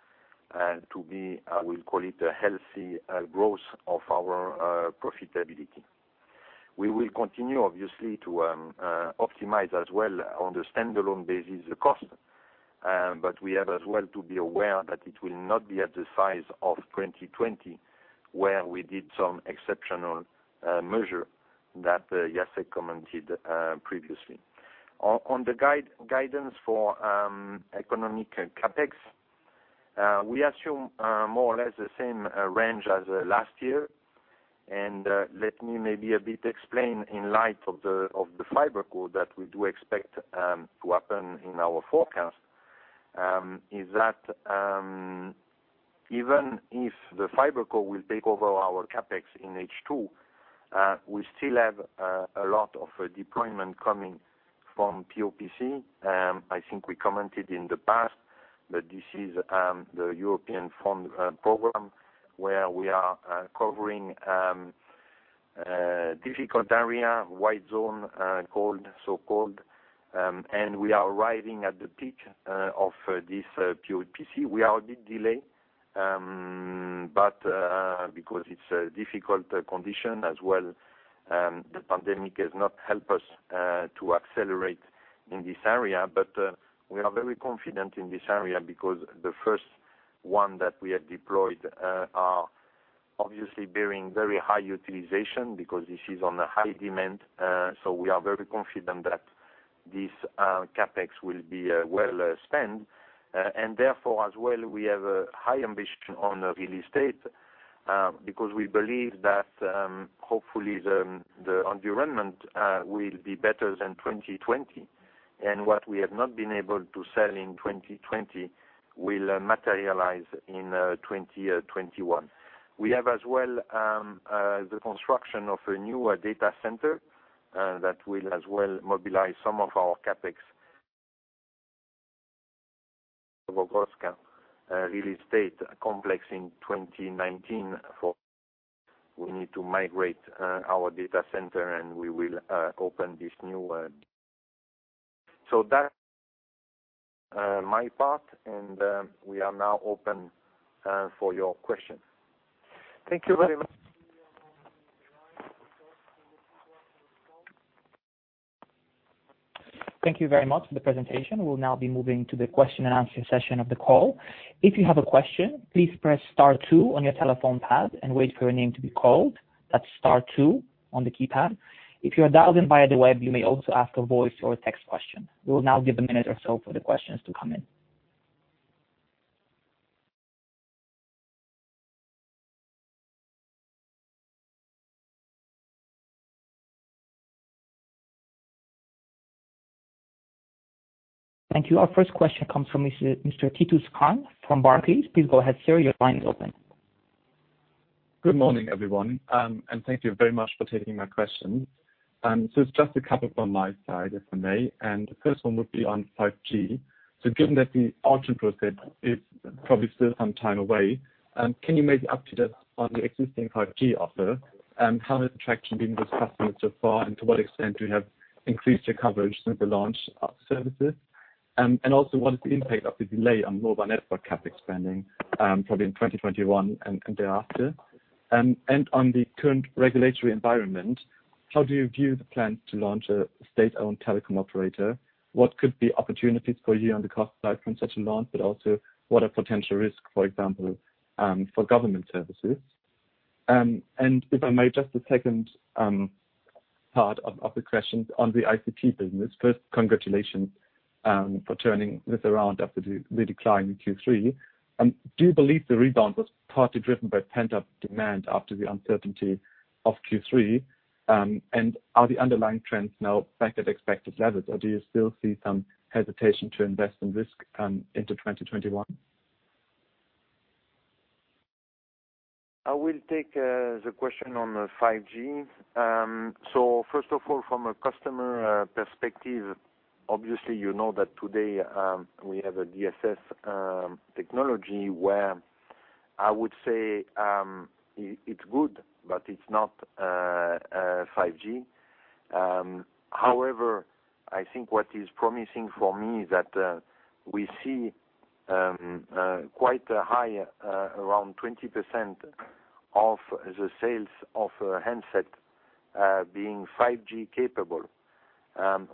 to be, I will call it, a healthy growth of our profitability. We will continue obviously to optimize as well on the standalone basis the cost. We have as well to be aware that it will not be at the size of 2020, where we did some exceptional measure that Jacek commented previously. On the guidance for economic CapEx, we assume more or less the same range as last year. Let me maybe a bit explain in light of the FiberCo that we do expect to happen in our forecast, is that even if the FiberCo will take over our CapEx in H2, we still have a lot of deployment coming from POPC. I think we commented in the past that this is the European fund program, where we are covering difficult area, white zone so-called. We are arriving at the peak of this POPC. We are a bit delay but because it's a difficult condition as well, the pandemic has not helped us to accelerate in this area. We are very confident in this area because the first one that we have deployed are obviously bearing very high utilization because this is on a high demand. We are very confident that this CapEx will be well spent. Therefore, as well, we have a high ambition on real estate because we believe that hopefully the environment will be better than 2020. What we have not been able to sell in 2020 will materialize in 2021. We have as well the construction of a newer data center that will as well mobilize some of our CapEx. Ogrodowa real estate complex in 2019 for we need to migrate our data center, and we will open this new one. That my part. We are now open for your question. Thank you very much. Thank you very much for the presentation. We will now be moving to the question-and-answer session of the call. If you have a question, please press star two on your telephone pad and wait for your name to be called. That's star two on the keypad. If you are dialed in via the web, you may also ask a voice or a text question. We will now give a minute or so for the questions to come in. Thank you. Our first question comes from Mr. Tarun Khanna from Barclays. Please go ahead, sir. Your line is open. Good morning, everyone, thank you very much for taking my question. It's just a couple from my side, if I may. The first one would be on 5G. Given that the auction process is probably still some time away, can you maybe update us on your existing 5G offer? How has traction been with customers so far, and to what extent you have increased your coverage since the launch of services? Also, what is the impact of the delay on mobile network CapEx spending probably in 2021 and thereafter? On the current regulatory environment, how do you view the plans to launch a state-owned telecom operator? What could be opportunities for you on the cost side from such a launch, but also what are potential risks, for example, for government services? If I may, just the second part of the question on the ICT business. First, congratulations for turning this around after the decline in Q3. Do you believe the rebound was partly driven by pent-up demand after the uncertainty of Q3? Are the underlying trends now back at expected levels, or do you still see some hesitation to invest in this into 2021? I will take the question on 5G. First of all, from a customer perspective, obviously, you know that today we have a DSS technology where I would say it's good, but it's not 5G. However, I think what is promising for me is that we see quite high, around 20%, of the sales of handsets being 5G capable,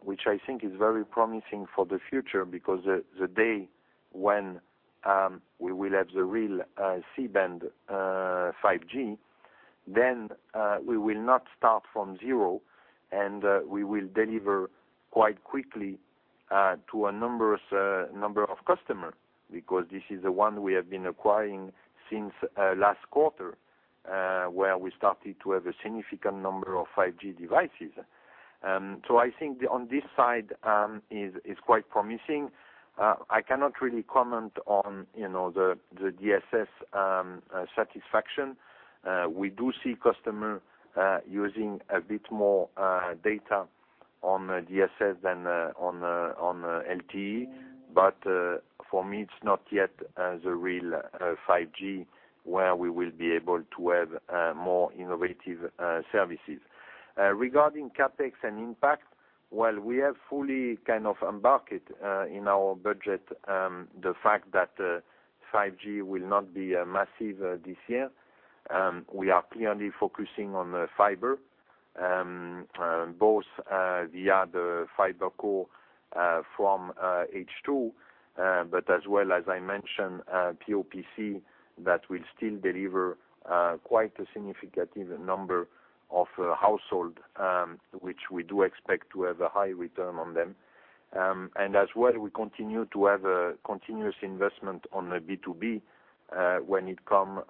which I think is very promising for the future because the day when we will have the real C-band 5G, then we will not start from zero, and we will deliver quite quickly to a number of customers because this is the one we have been acquiring since last quarter, where we started to have a significant number of 5G devices. I think on this side is quite promising. I cannot really comment on the DSS satisfaction. We do see customers using a bit more data on DSS than on LTE. For me, it's not yet the real 5G where we will be able to have more innovative services. Regarding CapEx and impact, while we have fully embarked in our budget the fact that 5G will not be massive this year, we are clearly focusing on fiber, both via the FiberCo from H2, but as well, as I mentioned, POPC that will still deliver quite a significant number of households which we do expect to have a high return on them. As well, we continue to have a continuous investment on B2B when it comes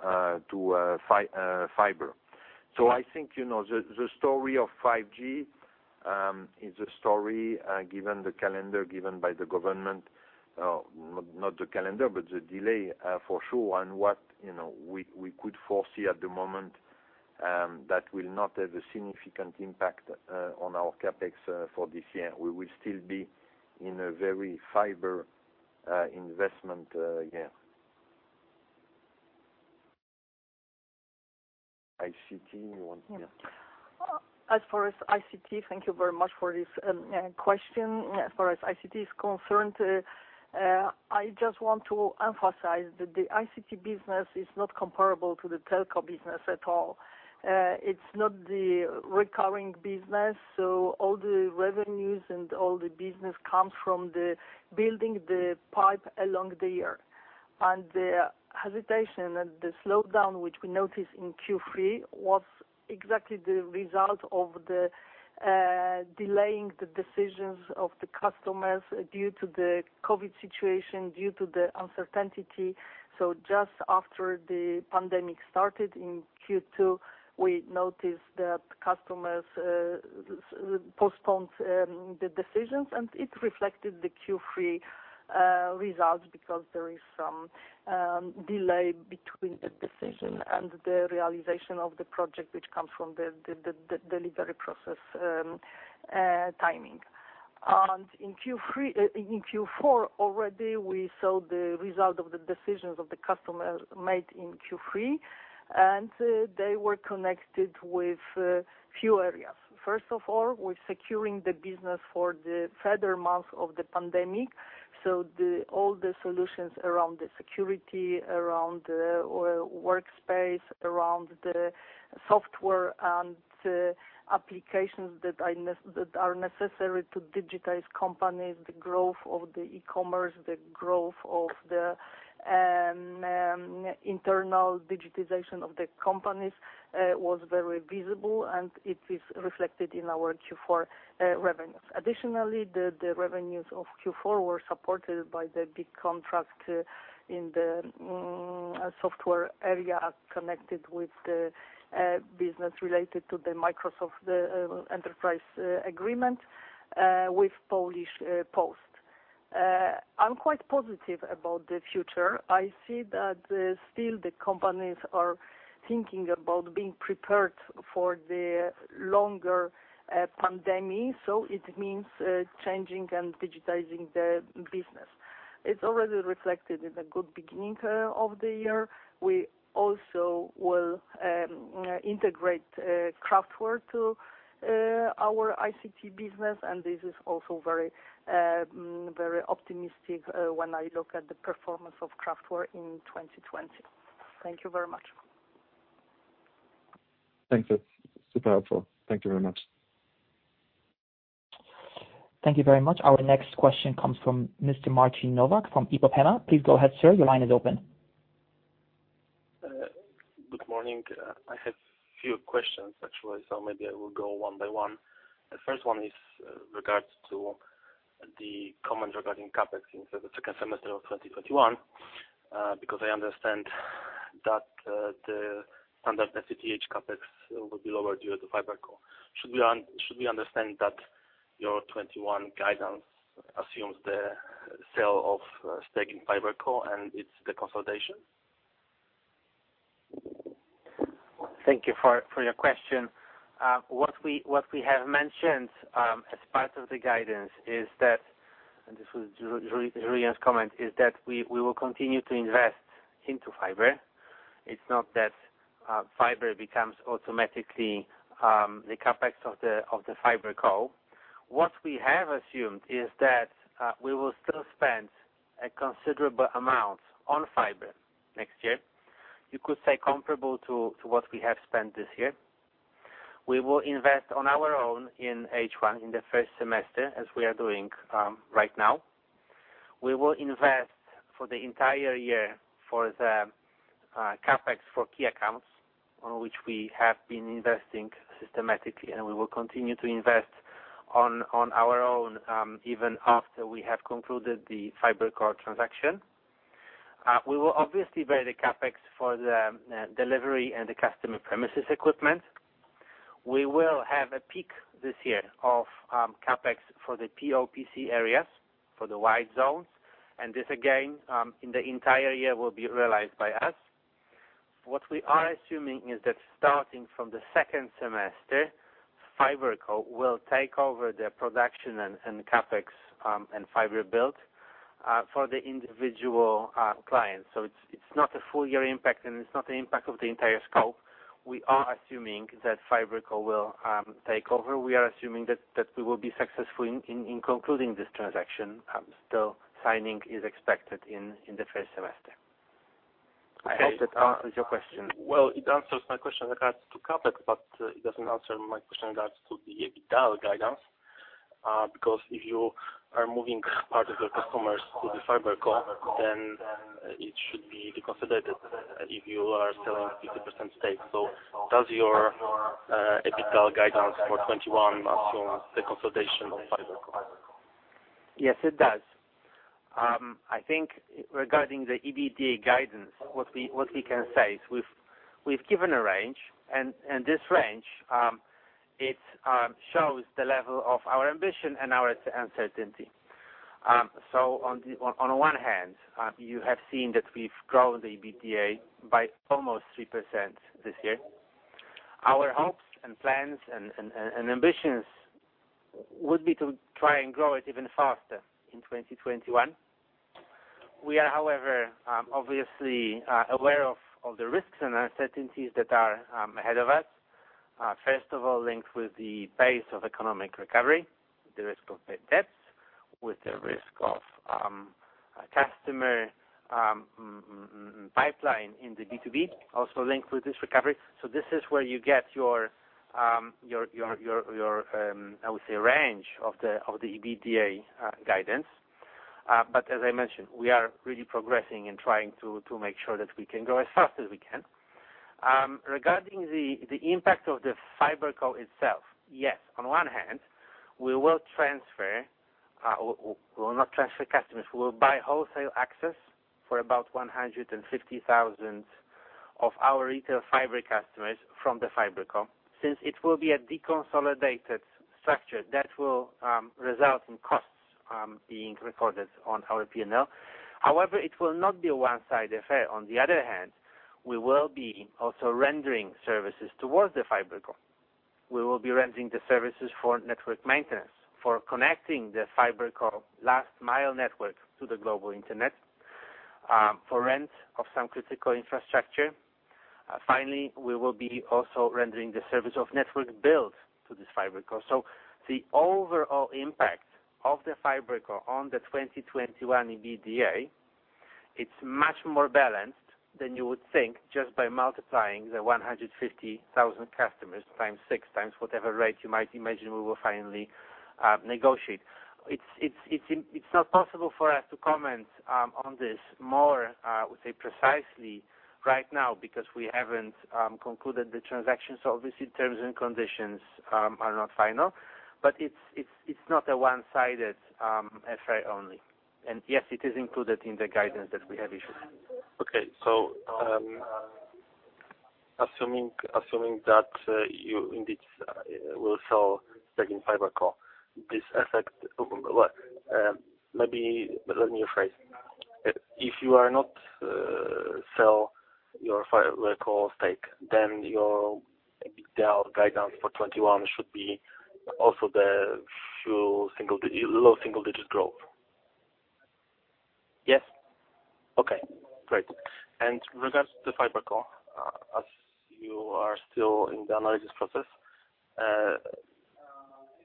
to fiber. I think the story of 5G is a story given the calendar given by the government, not the calendar, but the delay for sure on what we could foresee at the moment that will not have a significant impact on our CapEx for this year. We will still be in a very fiber investment year. ICT, you want? As far as ICT, thank you very much for this question. As far as ICT is concerned, I just want to emphasize that the ICT business is not comparable to the telco business at all. It's not the recurring business. All the revenues and all the business comes from the building the pipe along the year. The hesitation and the slowdown which we noticed in Q3 was exactly the result of the delaying the decisions of the customers due to the COVID situation, due to the uncertainty. Just after the pandemic started in Q2, we noticed that customers postponed the decisions, and it reflected the Q3 results because there is some delay between the decision and the realization of the project, which comes from the delivery process timing. In Q4 already, we saw the result of the decisions of the customers made in Q3, and they were connected with a few areas. First of all, with securing the business for the further months of the pandemic. All the solutions around the security, around the workspace, around the software and applications that are necessary to digitize companies, the growth of the e-commerce, the growth of the internal digitization of the companies was very visible, and it is reflected in our Q4 revenues. Additionally, the revenues of Q4 were supported by the big contract in the software area connected with the business related to the Microsoft Enterprise Agreement with Poczta Polska. I'm quite positive about the future. I see that still the companies are thinking about being prepared for the longer pandemic, so it means changing and digitizing their business. It's already reflected in the good beginning of the year. We also will integrate Craftware to our ICT business, and this is also very optimistic when I look at the performance of Craftware in 2020. Thank you very much. Thanks. That's super helpful. Thank you very much. Thank you very much. Our next question comes from Mr. Marcin Nowak from IPOPEMA. Please go ahead, sir. Your line is open. Good morning. I have few questions, actually. Maybe I will go one by one. The first one is regards to the comment regarding CapEx in the second semester of 2021. I understand that the standard FTTH CapEx will be lower due to FiberCo. Should we understand that your 2021 guidance assumes the sale of stake in FiberCo, and it's the consolidation? Thank you for your question. What we have mentioned as part of the guidance, and this was Julien's comment, is that we will continue to invest into fiber. It's not that fiber becomes automatically the CapEx of the FiberCo. What we have assumed is that we will still spend a considerable amount on fiber next year. You could say comparable to what we have spent this year. We will invest on our own in H1, in the first semester, as we are doing right now. We will invest for the entire year for the CapEx for key accounts, on which we have been investing systematically, and we will continue to invest on our own even after we have concluded the FiberCo transaction. We will obviously bear the CapEx for the delivery and the customer premises equipment. We will have a peak this year of CapEx for the POPC areas, for the white zones. This, again, in the entire year, will be realized by us. What we are assuming is that starting from the second semester, FiberCo will take over the production and CapEx and fiber build for the individual clients. It's not a full-year impact, and it's not an impact of the entire scope. We are assuming that FiberCo will take over. We are assuming that we will be successful in concluding this transaction. The signing is expected in the first semester. I hope that answers your question. Well, it answers my question regards to CapEx. It doesn't answer my question regards to the EBITDA guidance. If you are moving part of your customers to the FiberCo, then it should be reconsidered if you are selling 50% stake. Does your EBITDA guidance for 2021 assume the consolidation of FiberCo? Yes, it does. I think regarding the EBITDA guidance, what we can say is we've given a range. This range, it shows the level of our ambition and our uncertainty. On one hand, you have seen that we've grown the EBITDA by almost 3% this year. Our hopes and plans and ambitions would be to try and grow it even faster in 2021. We are, however, obviously aware of the risks and uncertainties that are ahead of us. First of all, linked with the pace of economic recovery, the risk of bad debts, with the risk of customer pipeline in the B2B, also linked with this recovery. This is where you get your, I would say, range of the EBITDA guidance. As I mentioned, we are really progressing and trying to make sure that we can grow as fast as we can. Regarding the impact of the FiberCo itself, yes, on one hand, we will buy wholesale access for about 150,000 of our retail fiber customers from the FiberCo. Since it will be a deconsolidated structure, that will result in costs being recorded on our P&L. However, it will not be a one-sided affair. On the other hand, we will be also rendering services towards the FiberCo. We will be rendering the services for network maintenance, for connecting the FiberCo last mile network to the global internet, for rent of some critical infrastructure. Finally, we will be also rendering the service of network build to this FiberCo. The overall impact of the FiberCo on the 2021 EBITDA, it's much more balanced than you would think just by multiplying the 150,000 customers times 6, times whatever rate you might imagine we will finally negotiate. It's not possible for us to comment on this more, I would say, precisely right now, because we haven't concluded the transaction. Obviously terms and conditions are not final. It's not a one-sided affair only. Yes, it is included in the guidance that we have issued. Assuming that you indeed will sell stake in FiberCo, well, maybe let me rephrase. If you are not sell your FiberCo stake, your guidance for 2021 should be also the low single-digit growth. Yes? Okay, great. Regards to the FiberCo, as you are still in the analysis process,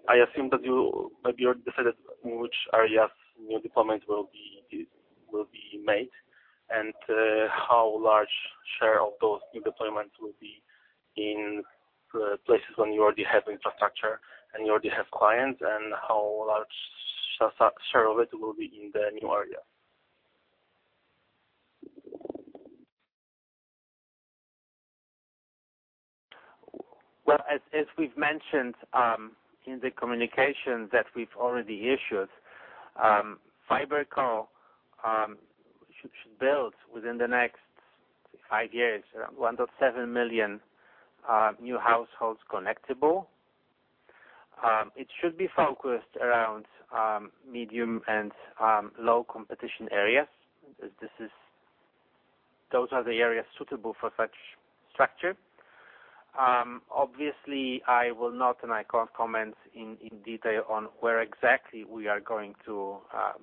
I assume that maybe you decided in which areas new deployments will be made and how large share of those new deployments will be in places when you already have infrastructure and you already have clients, and how large share of it will be in the new area. Well, as we've mentioned in the communication that we've already issued, FiberCo should build within the next five years around 1.7 million new households connectable. It should be focused around medium and low competition areas. Those are the areas suitable for such structure. Obviously, I will not, and I can't comment in detail on where exactly we are going to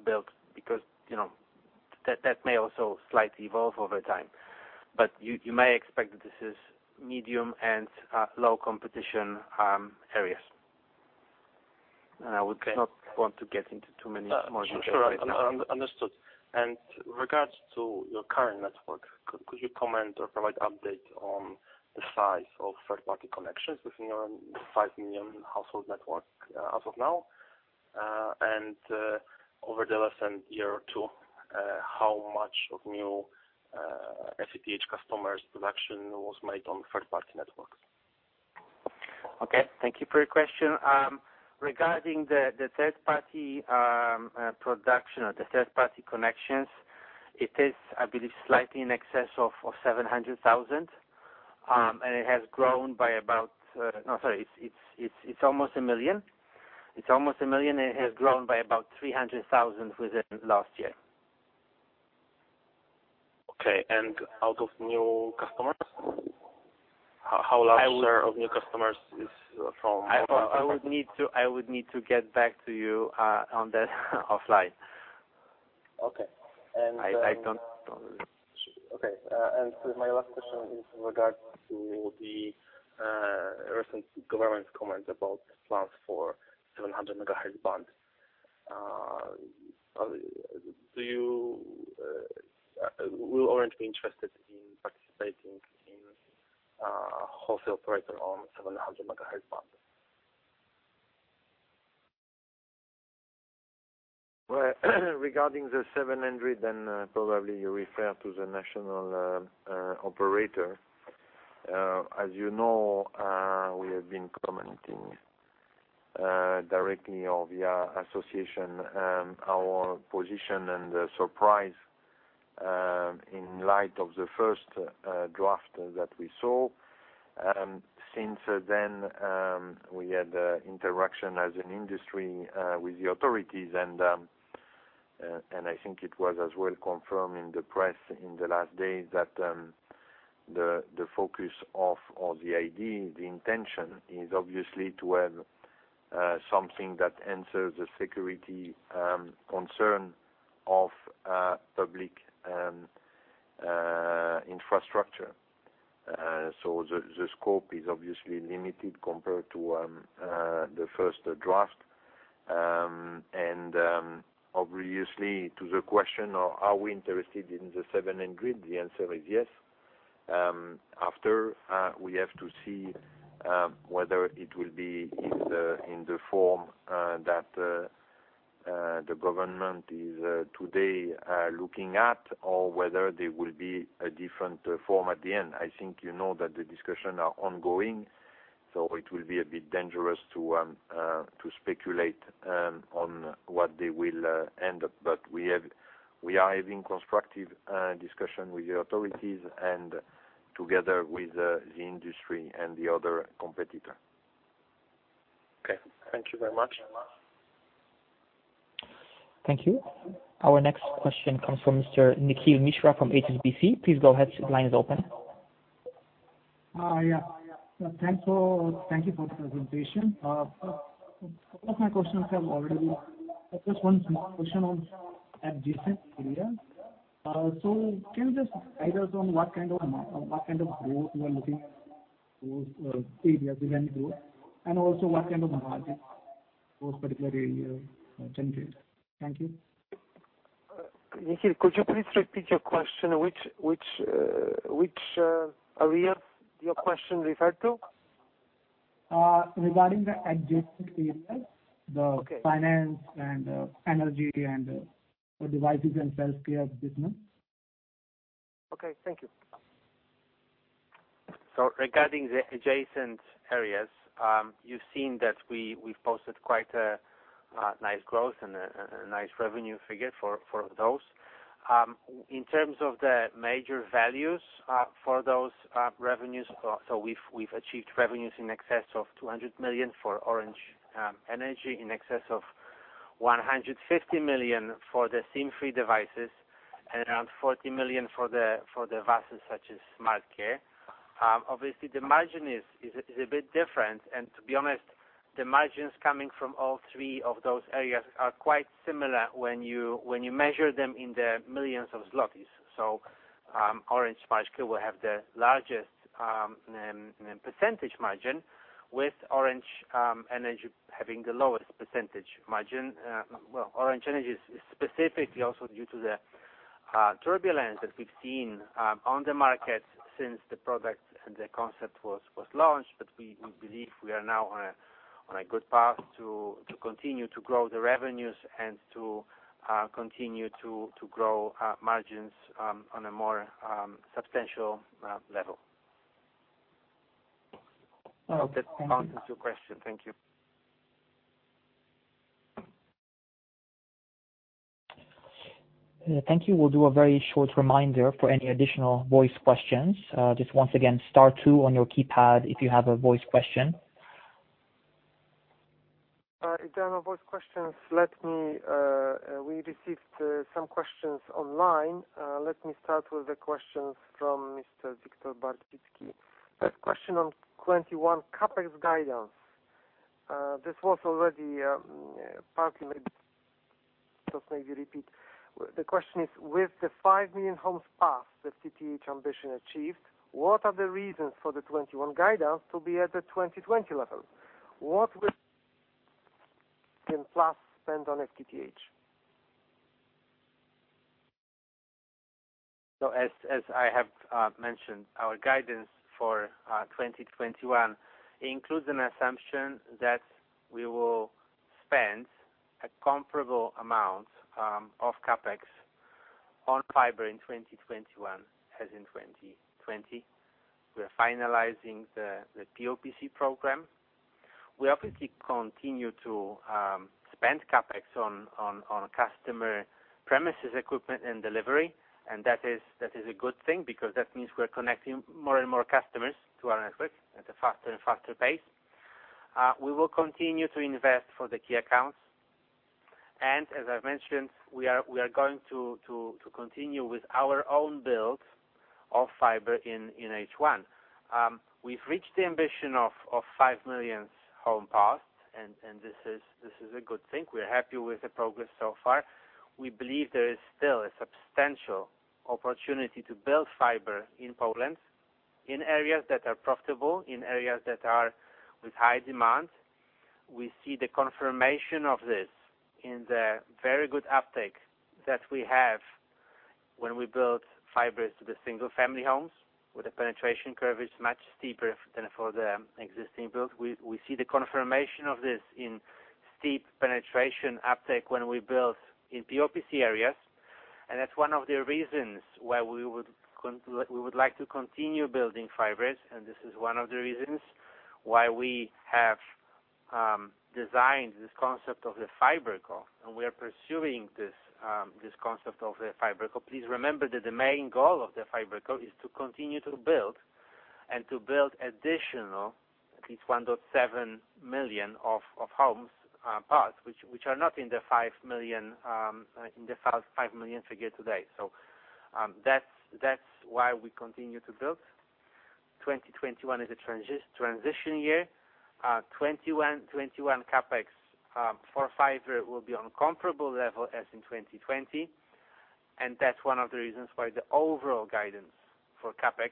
build because that may also slightly evolve over time. You may expect that this is medium and low competition areas. I would not want to get into too many more details right now. Sure. Understood. Regards to your current network, could you comment or provide update on the size of third-party connections within your 5 million household network as of now, and over the last year or two, how much of new FTTH customers production was made on third-party networks? Okay. Thank you for your question. Regarding the third-party production or the third-party connections, it is, I believe, almost a million, and it has grown by about 300,000 within last year. Okay. Out of new customers, how large. I would. share of new customers is. I would need to get back to you on that offline. Okay. I don't know. Okay. My last question is in regards to the recent government comment about plans for 700 MHz band. Will Orange be interested in participating in a wholesale operator on 700 MHz band? Regarding the 700 MHz, probably you refer to the national operator. As you know, we have been commenting directly or via association, our position and surprise in light of the first draft that we saw. Since then, we had interaction as an industry with the authorities, I think it was as well confirmed in the press in the last day that the focus of all the idea, the intention is obviously to have something that answers the security concern of public infrastructure. The scope is obviously limited compared to the first draft. Obviously, to the question of are we interested in the 700, the answer is yes. We have to see whether it will be in the form that the government is today looking at, or whether there will be a different form at the end. I think you know that the discussions are ongoing, so it will be a bit dangerous to speculate on what they will end up. We are having constructive discussion with the authorities and together with the industry and the other competitor. Okay. Thank you very much. Thank you. Our next question comes from Mr. Nikhil Mishra from HSBC. Please go ahead. Sir, the line is open. Yeah. Thank you for the presentation. I guess one small question on adjacent areas. Can you just advise us on what kind of growth you are looking at those areas, adjacent growth, and also what kind of margin those particular areas generate? Thank you. Nikhil, could you please repeat your question? Which area your question referred to? Regarding the adjacent areas. Okay. The finance and energy and the devices and self-care business. Okay. Thank you. Regarding the adjacent areas, you've seen that we've posted quite a nice growth and a nice revenue figure for those. In terms of the major values for those revenues, we've achieved revenues in excess of 200 million for Orange Energia, in excess of 150 million for the SIM free devices and around 40 million for the VAS such as Orange Smart Care. Obviously, the margin is a bit different, and to be honest, the margins coming from all three of those areas are quite similar when you measure them in the millions of PLN. Orange Smart Care will have the largest percentage margin, with Orange Energia having the lowest percentage margin. Well, Orange Energia is specifically also due to the turbulence that we've seen on the market since the product and the concept was launched, but we believe we are now on a good path to continue to grow the revenues and to continue to grow our margins on a more substantial level. Okay. I hope that answers your question. Thank you. Thank you. We'll do a very short reminder for any additional voice questions. Just once again, star two on your keypad if you have a voice question. If there are no voice questions, we received some questions online. Let me start with the questions from Mr. Wiktor Barcicki. First question on 2021 CapEx guidance. This was already partly. Just maybe repeat. The question is: With the 5 million homes passed, the FTTH ambition achieved, what are the reasons for the 2021 guidance to be at the 2020 level? What will plan plus spend on FTTH? As I have mentioned, our guidance for 2021 includes an assumption that we will spend a comparable amount of CapEx on fiber in 2021 as in 2020. We are finalizing the POPC program. We obviously continue to spend CapEx on customer premises equipment and delivery, and that is a good thing because that means we're connecting more and more customers to our network at a faster and faster pace. We will continue to invest for the key accounts, and as I've mentioned, we are going to continue with our own build of fiber in H1. We've reached the ambition of 5 million home passed, and this is a good thing. We're happy with the progress so far. We believe there is still a substantial opportunity to build fiber in Poland, in areas that are profitable, in areas that are with high demand. We see the confirmation of this in the very good uptake that we have when we build fibers to the single-family homes, where the penetration curve is much steeper than for the existing build. We see the confirmation of this in steep penetration uptake when we build in POPC areas, and that's one of the reasons why we would like to continue building fibers, and this is one of the reasons why we have designed this concept of the FiberCo, and we are pursuing this concept of the FiberCo. Please remember that the main goal of the FiberCo is to continue to build and to build additional at least 1.7 million of homes passed, which are not in the five million figure today. That's why we continue to build. 2021 is a transition year. 2021 CapEx for fiber will be on comparable level as in 2020, and that's one of the reasons why the overall guidance for CapEx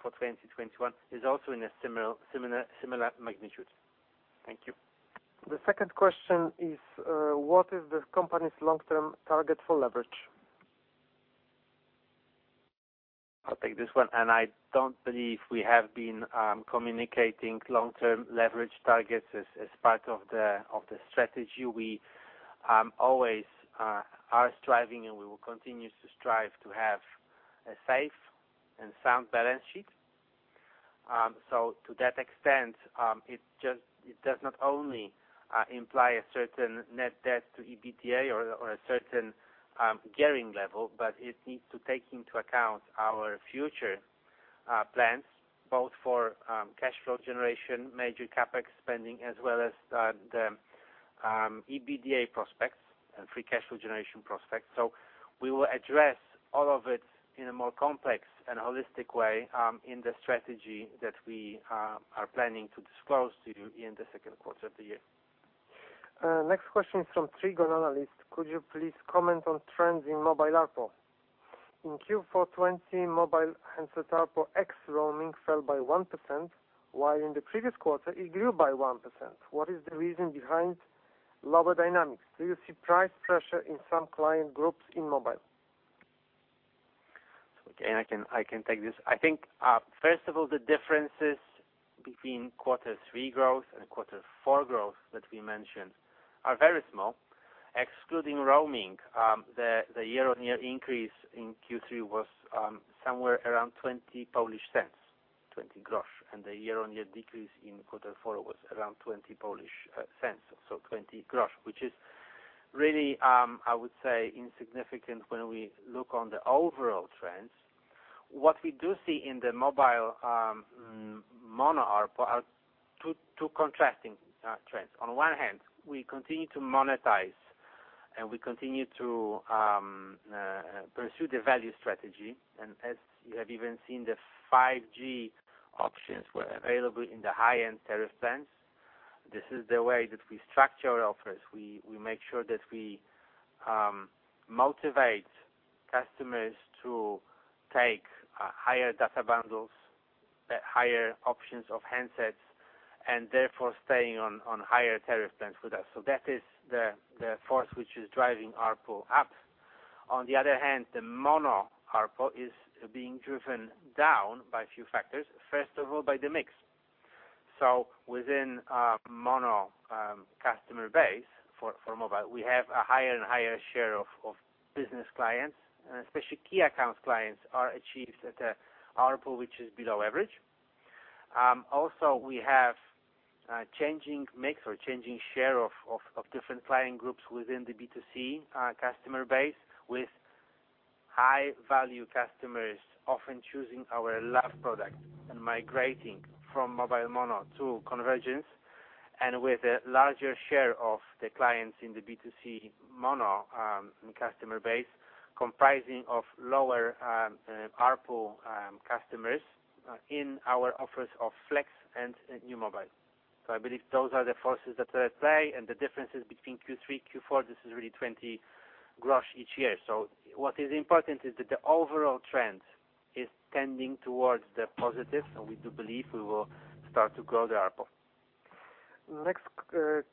for 2021 is also in a similar magnitude. Thank you. The second question is: What is the company's long-term target for leverage? I'll take this one. I don't believe we have been communicating long-term leverage targets as part of the strategy. We always are striving, and we will continue to strive to have a safe and sound balance sheet. To that extent, it does not only imply a certain net debt to EBITDA or a certain gearing level, but it needs to take into account our future plans, both for cash flow generation, major CapEx spending, as well as the EBITDA prospects and free cash flow generation prospects. We will address all of it in a more complex and holistic way in the strategy that we are planning to disclose to you in the second quarter of the year. Next question is from Trigon Analyst: Could you please comment on trends in mobile ARPU? In Q4 2020, mobile and subset ARPU ex roaming fell by 1%, while in the previous quarter it grew by 1%. What is the reason behind lower dynamics? Do you see price pressure in some client groups in mobile? Again, I can take this. I think, first of all, the differences between quarter three growth and quarter four growth that we mentioned are very small. Excluding roaming, the year-on-year increase in quarter three was somewhere around 0.20, 0.20, and the year-on-year decrease in quarter four was around 0.20, so 0.20, which is really, I would say, insignificant when we look on the overall trends. What we do see in the mobile mono ARPU are two contrasting trends. On one hand, we continue to monetize and we continue to pursue the value strategy. As you have even seen, the 5G options were available in the high-end tariff plans. This is the way that we structure our offers. We make sure that we motivate customers to take higher data bundles, higher options of handsets, and therefore staying on higher tariff plans with us. That is the force which is driving ARPU up. On the other hand, the mono ARPU is being driven down by a few factors. First of all, by the mix. Within a mono customer base for mobile, we have a higher and higher share of business clients, especially key accounts clients are achieved at ARPU, which is below average. Also we have changing mix or changing share of different client groups within the B2C customer base, with high-value customers often choosing our Orange Love product and migrating from mobile mono to convergence, and with a larger share of the clients in the B2C mono customer base comprising of lower ARPU customers in our offers of Orange Flex and nju mobile. I believe those are the forces that are at play and the differences between Q3 and Q4, this is really 0.20 each year. What is important is that the overall trend is tending towards the positive, and we do believe we will start to grow the ARPU.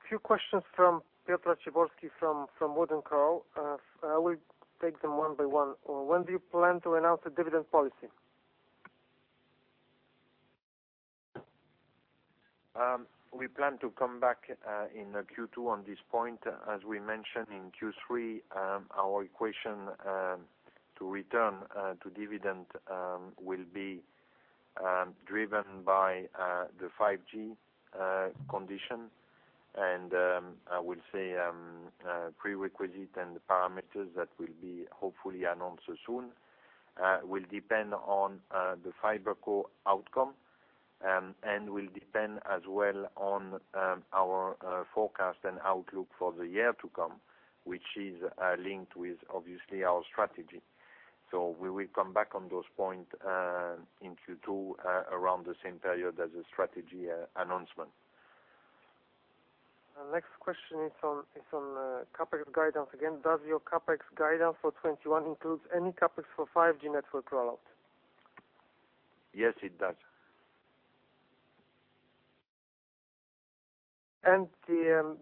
Few questions from Piotr Raciborski from Wood & Company. I will take them one by one. When do you plan to announce the dividend policy? We plan to come back in Q2 on this point. As we mentioned in Q3, our equation to return to dividend will be driven by the 5G condition, and I will say prerequisite and parameters that will be hopefully announced soon will depend on the FiberCo outcome and will depend as well on our forecast and outlook for the year to come, which is linked with obviously our strategy. We will come back on those point in Q2 around the same period as the strategy announcement. Next question is on CapEx guidance again. Does your CapEx guidance for 2021 includes any CapEx for 5G network rollout? Yes, it does. The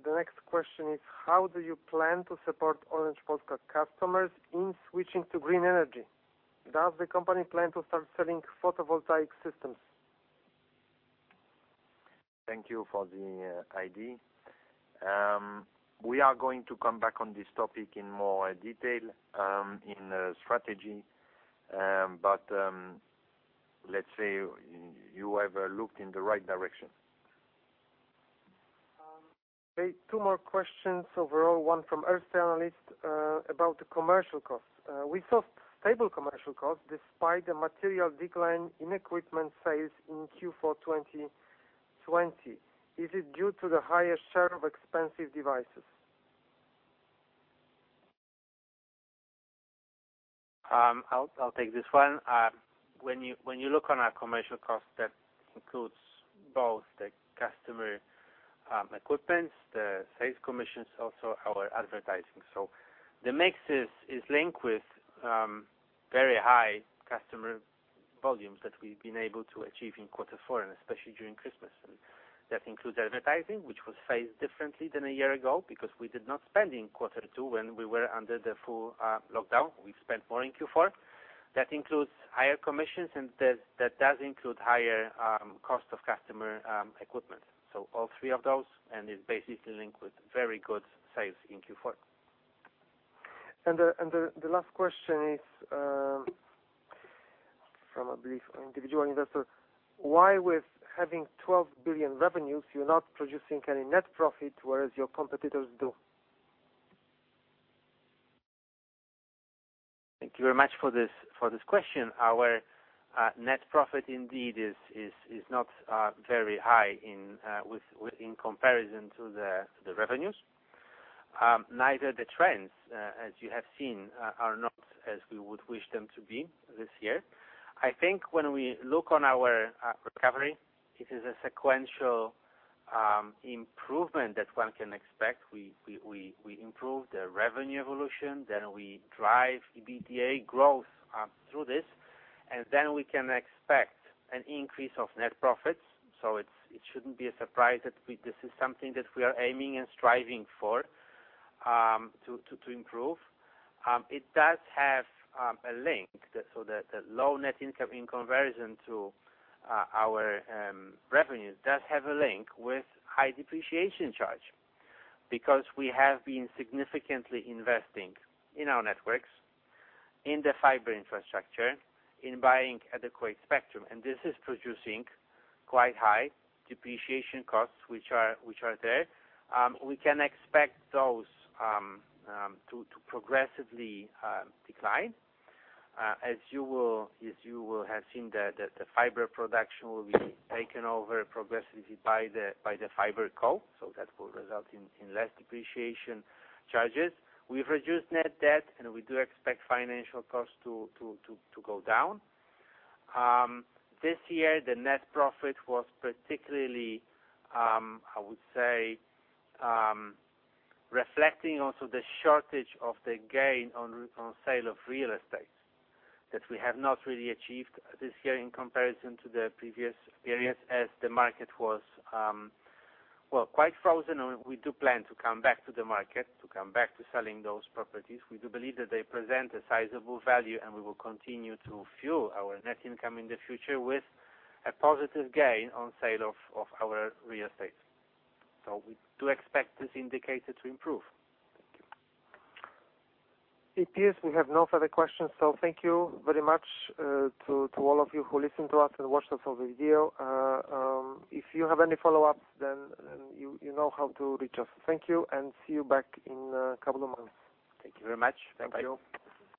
next question is: how do you plan to support Orange Polska customers in switching to green energy? Does the company plan to start selling photovoltaic systems? Thank you for the idea. We are going to come back on this topic in more detail in strategy. Let's say you have looked in the right direction. Okay, two more questions overall. One from our analyst about the commercial costs. We saw stable commercial costs despite the material decline in equipment sales in Q4 2020. Is it due to the higher share of expensive devices? I'll take this one. When you look on our commercial cost, that includes both the customer equipment, the sales commissions, also our advertising. The mix is linked with very high customer volumes that we've been able to achieve in Q4, and especially during Christmas. That includes advertising, which was phased differently than a year ago because we did not spend in Q2 when we were under the full lockdown. We spent more in Q4. That includes higher commissions, and that does include higher cost of customer equipment. All three of those, and it's basically linked with very good sales in Q4. The last question is from, I believe, an individual investor. Why with having 12 billion revenues, you're not producing any net profit, whereas your competitors do? Thank you very much for this question. Our net profit indeed is not very high in comparison to the revenues. Neither the trends, as you have seen, are not as we would wish them to be this year. I think when we look on our recovery, it is a sequential improvement that one can expect. We improve the revenue evolution, then we drive EBITDA growth through this, and then we can expect an increase of net profits. It shouldn't be a surprise that this is something that we are aiming and striving for to improve. The low net income in conversion to our revenues does have a link with high depreciation charge because we have been significantly investing in our networks, in the fiber infrastructure, in buying adequate spectrum, and this is producing quite high depreciation costs which are there. We can expect those to progressively decline. As you will have seen, the fiber production will be taken over progressively by the FiberCo, that will result in less depreciation charges. We've reduced net debt, we do expect financial costs to go down. This year, the net profit was particularly, I would say, reflecting also the shortage of the gain on sale of real estate that we have not really achieved this year in comparison to the previous periods as the market was quite frozen, we do plan to come back to the market to come back to selling those properties. We do believe that they present a sizable value, we will continue to fuel our net income in the future with a positive gain on sale of our real estate. We do expect this indicator to improve. Thank you. It appears we have no further questions. Thank you very much to all of you who listened to us and watched us over video. If you have any follow-ups, you know how to reach us. Thank you and see you back in a couple of months. Thank you very much. Bye.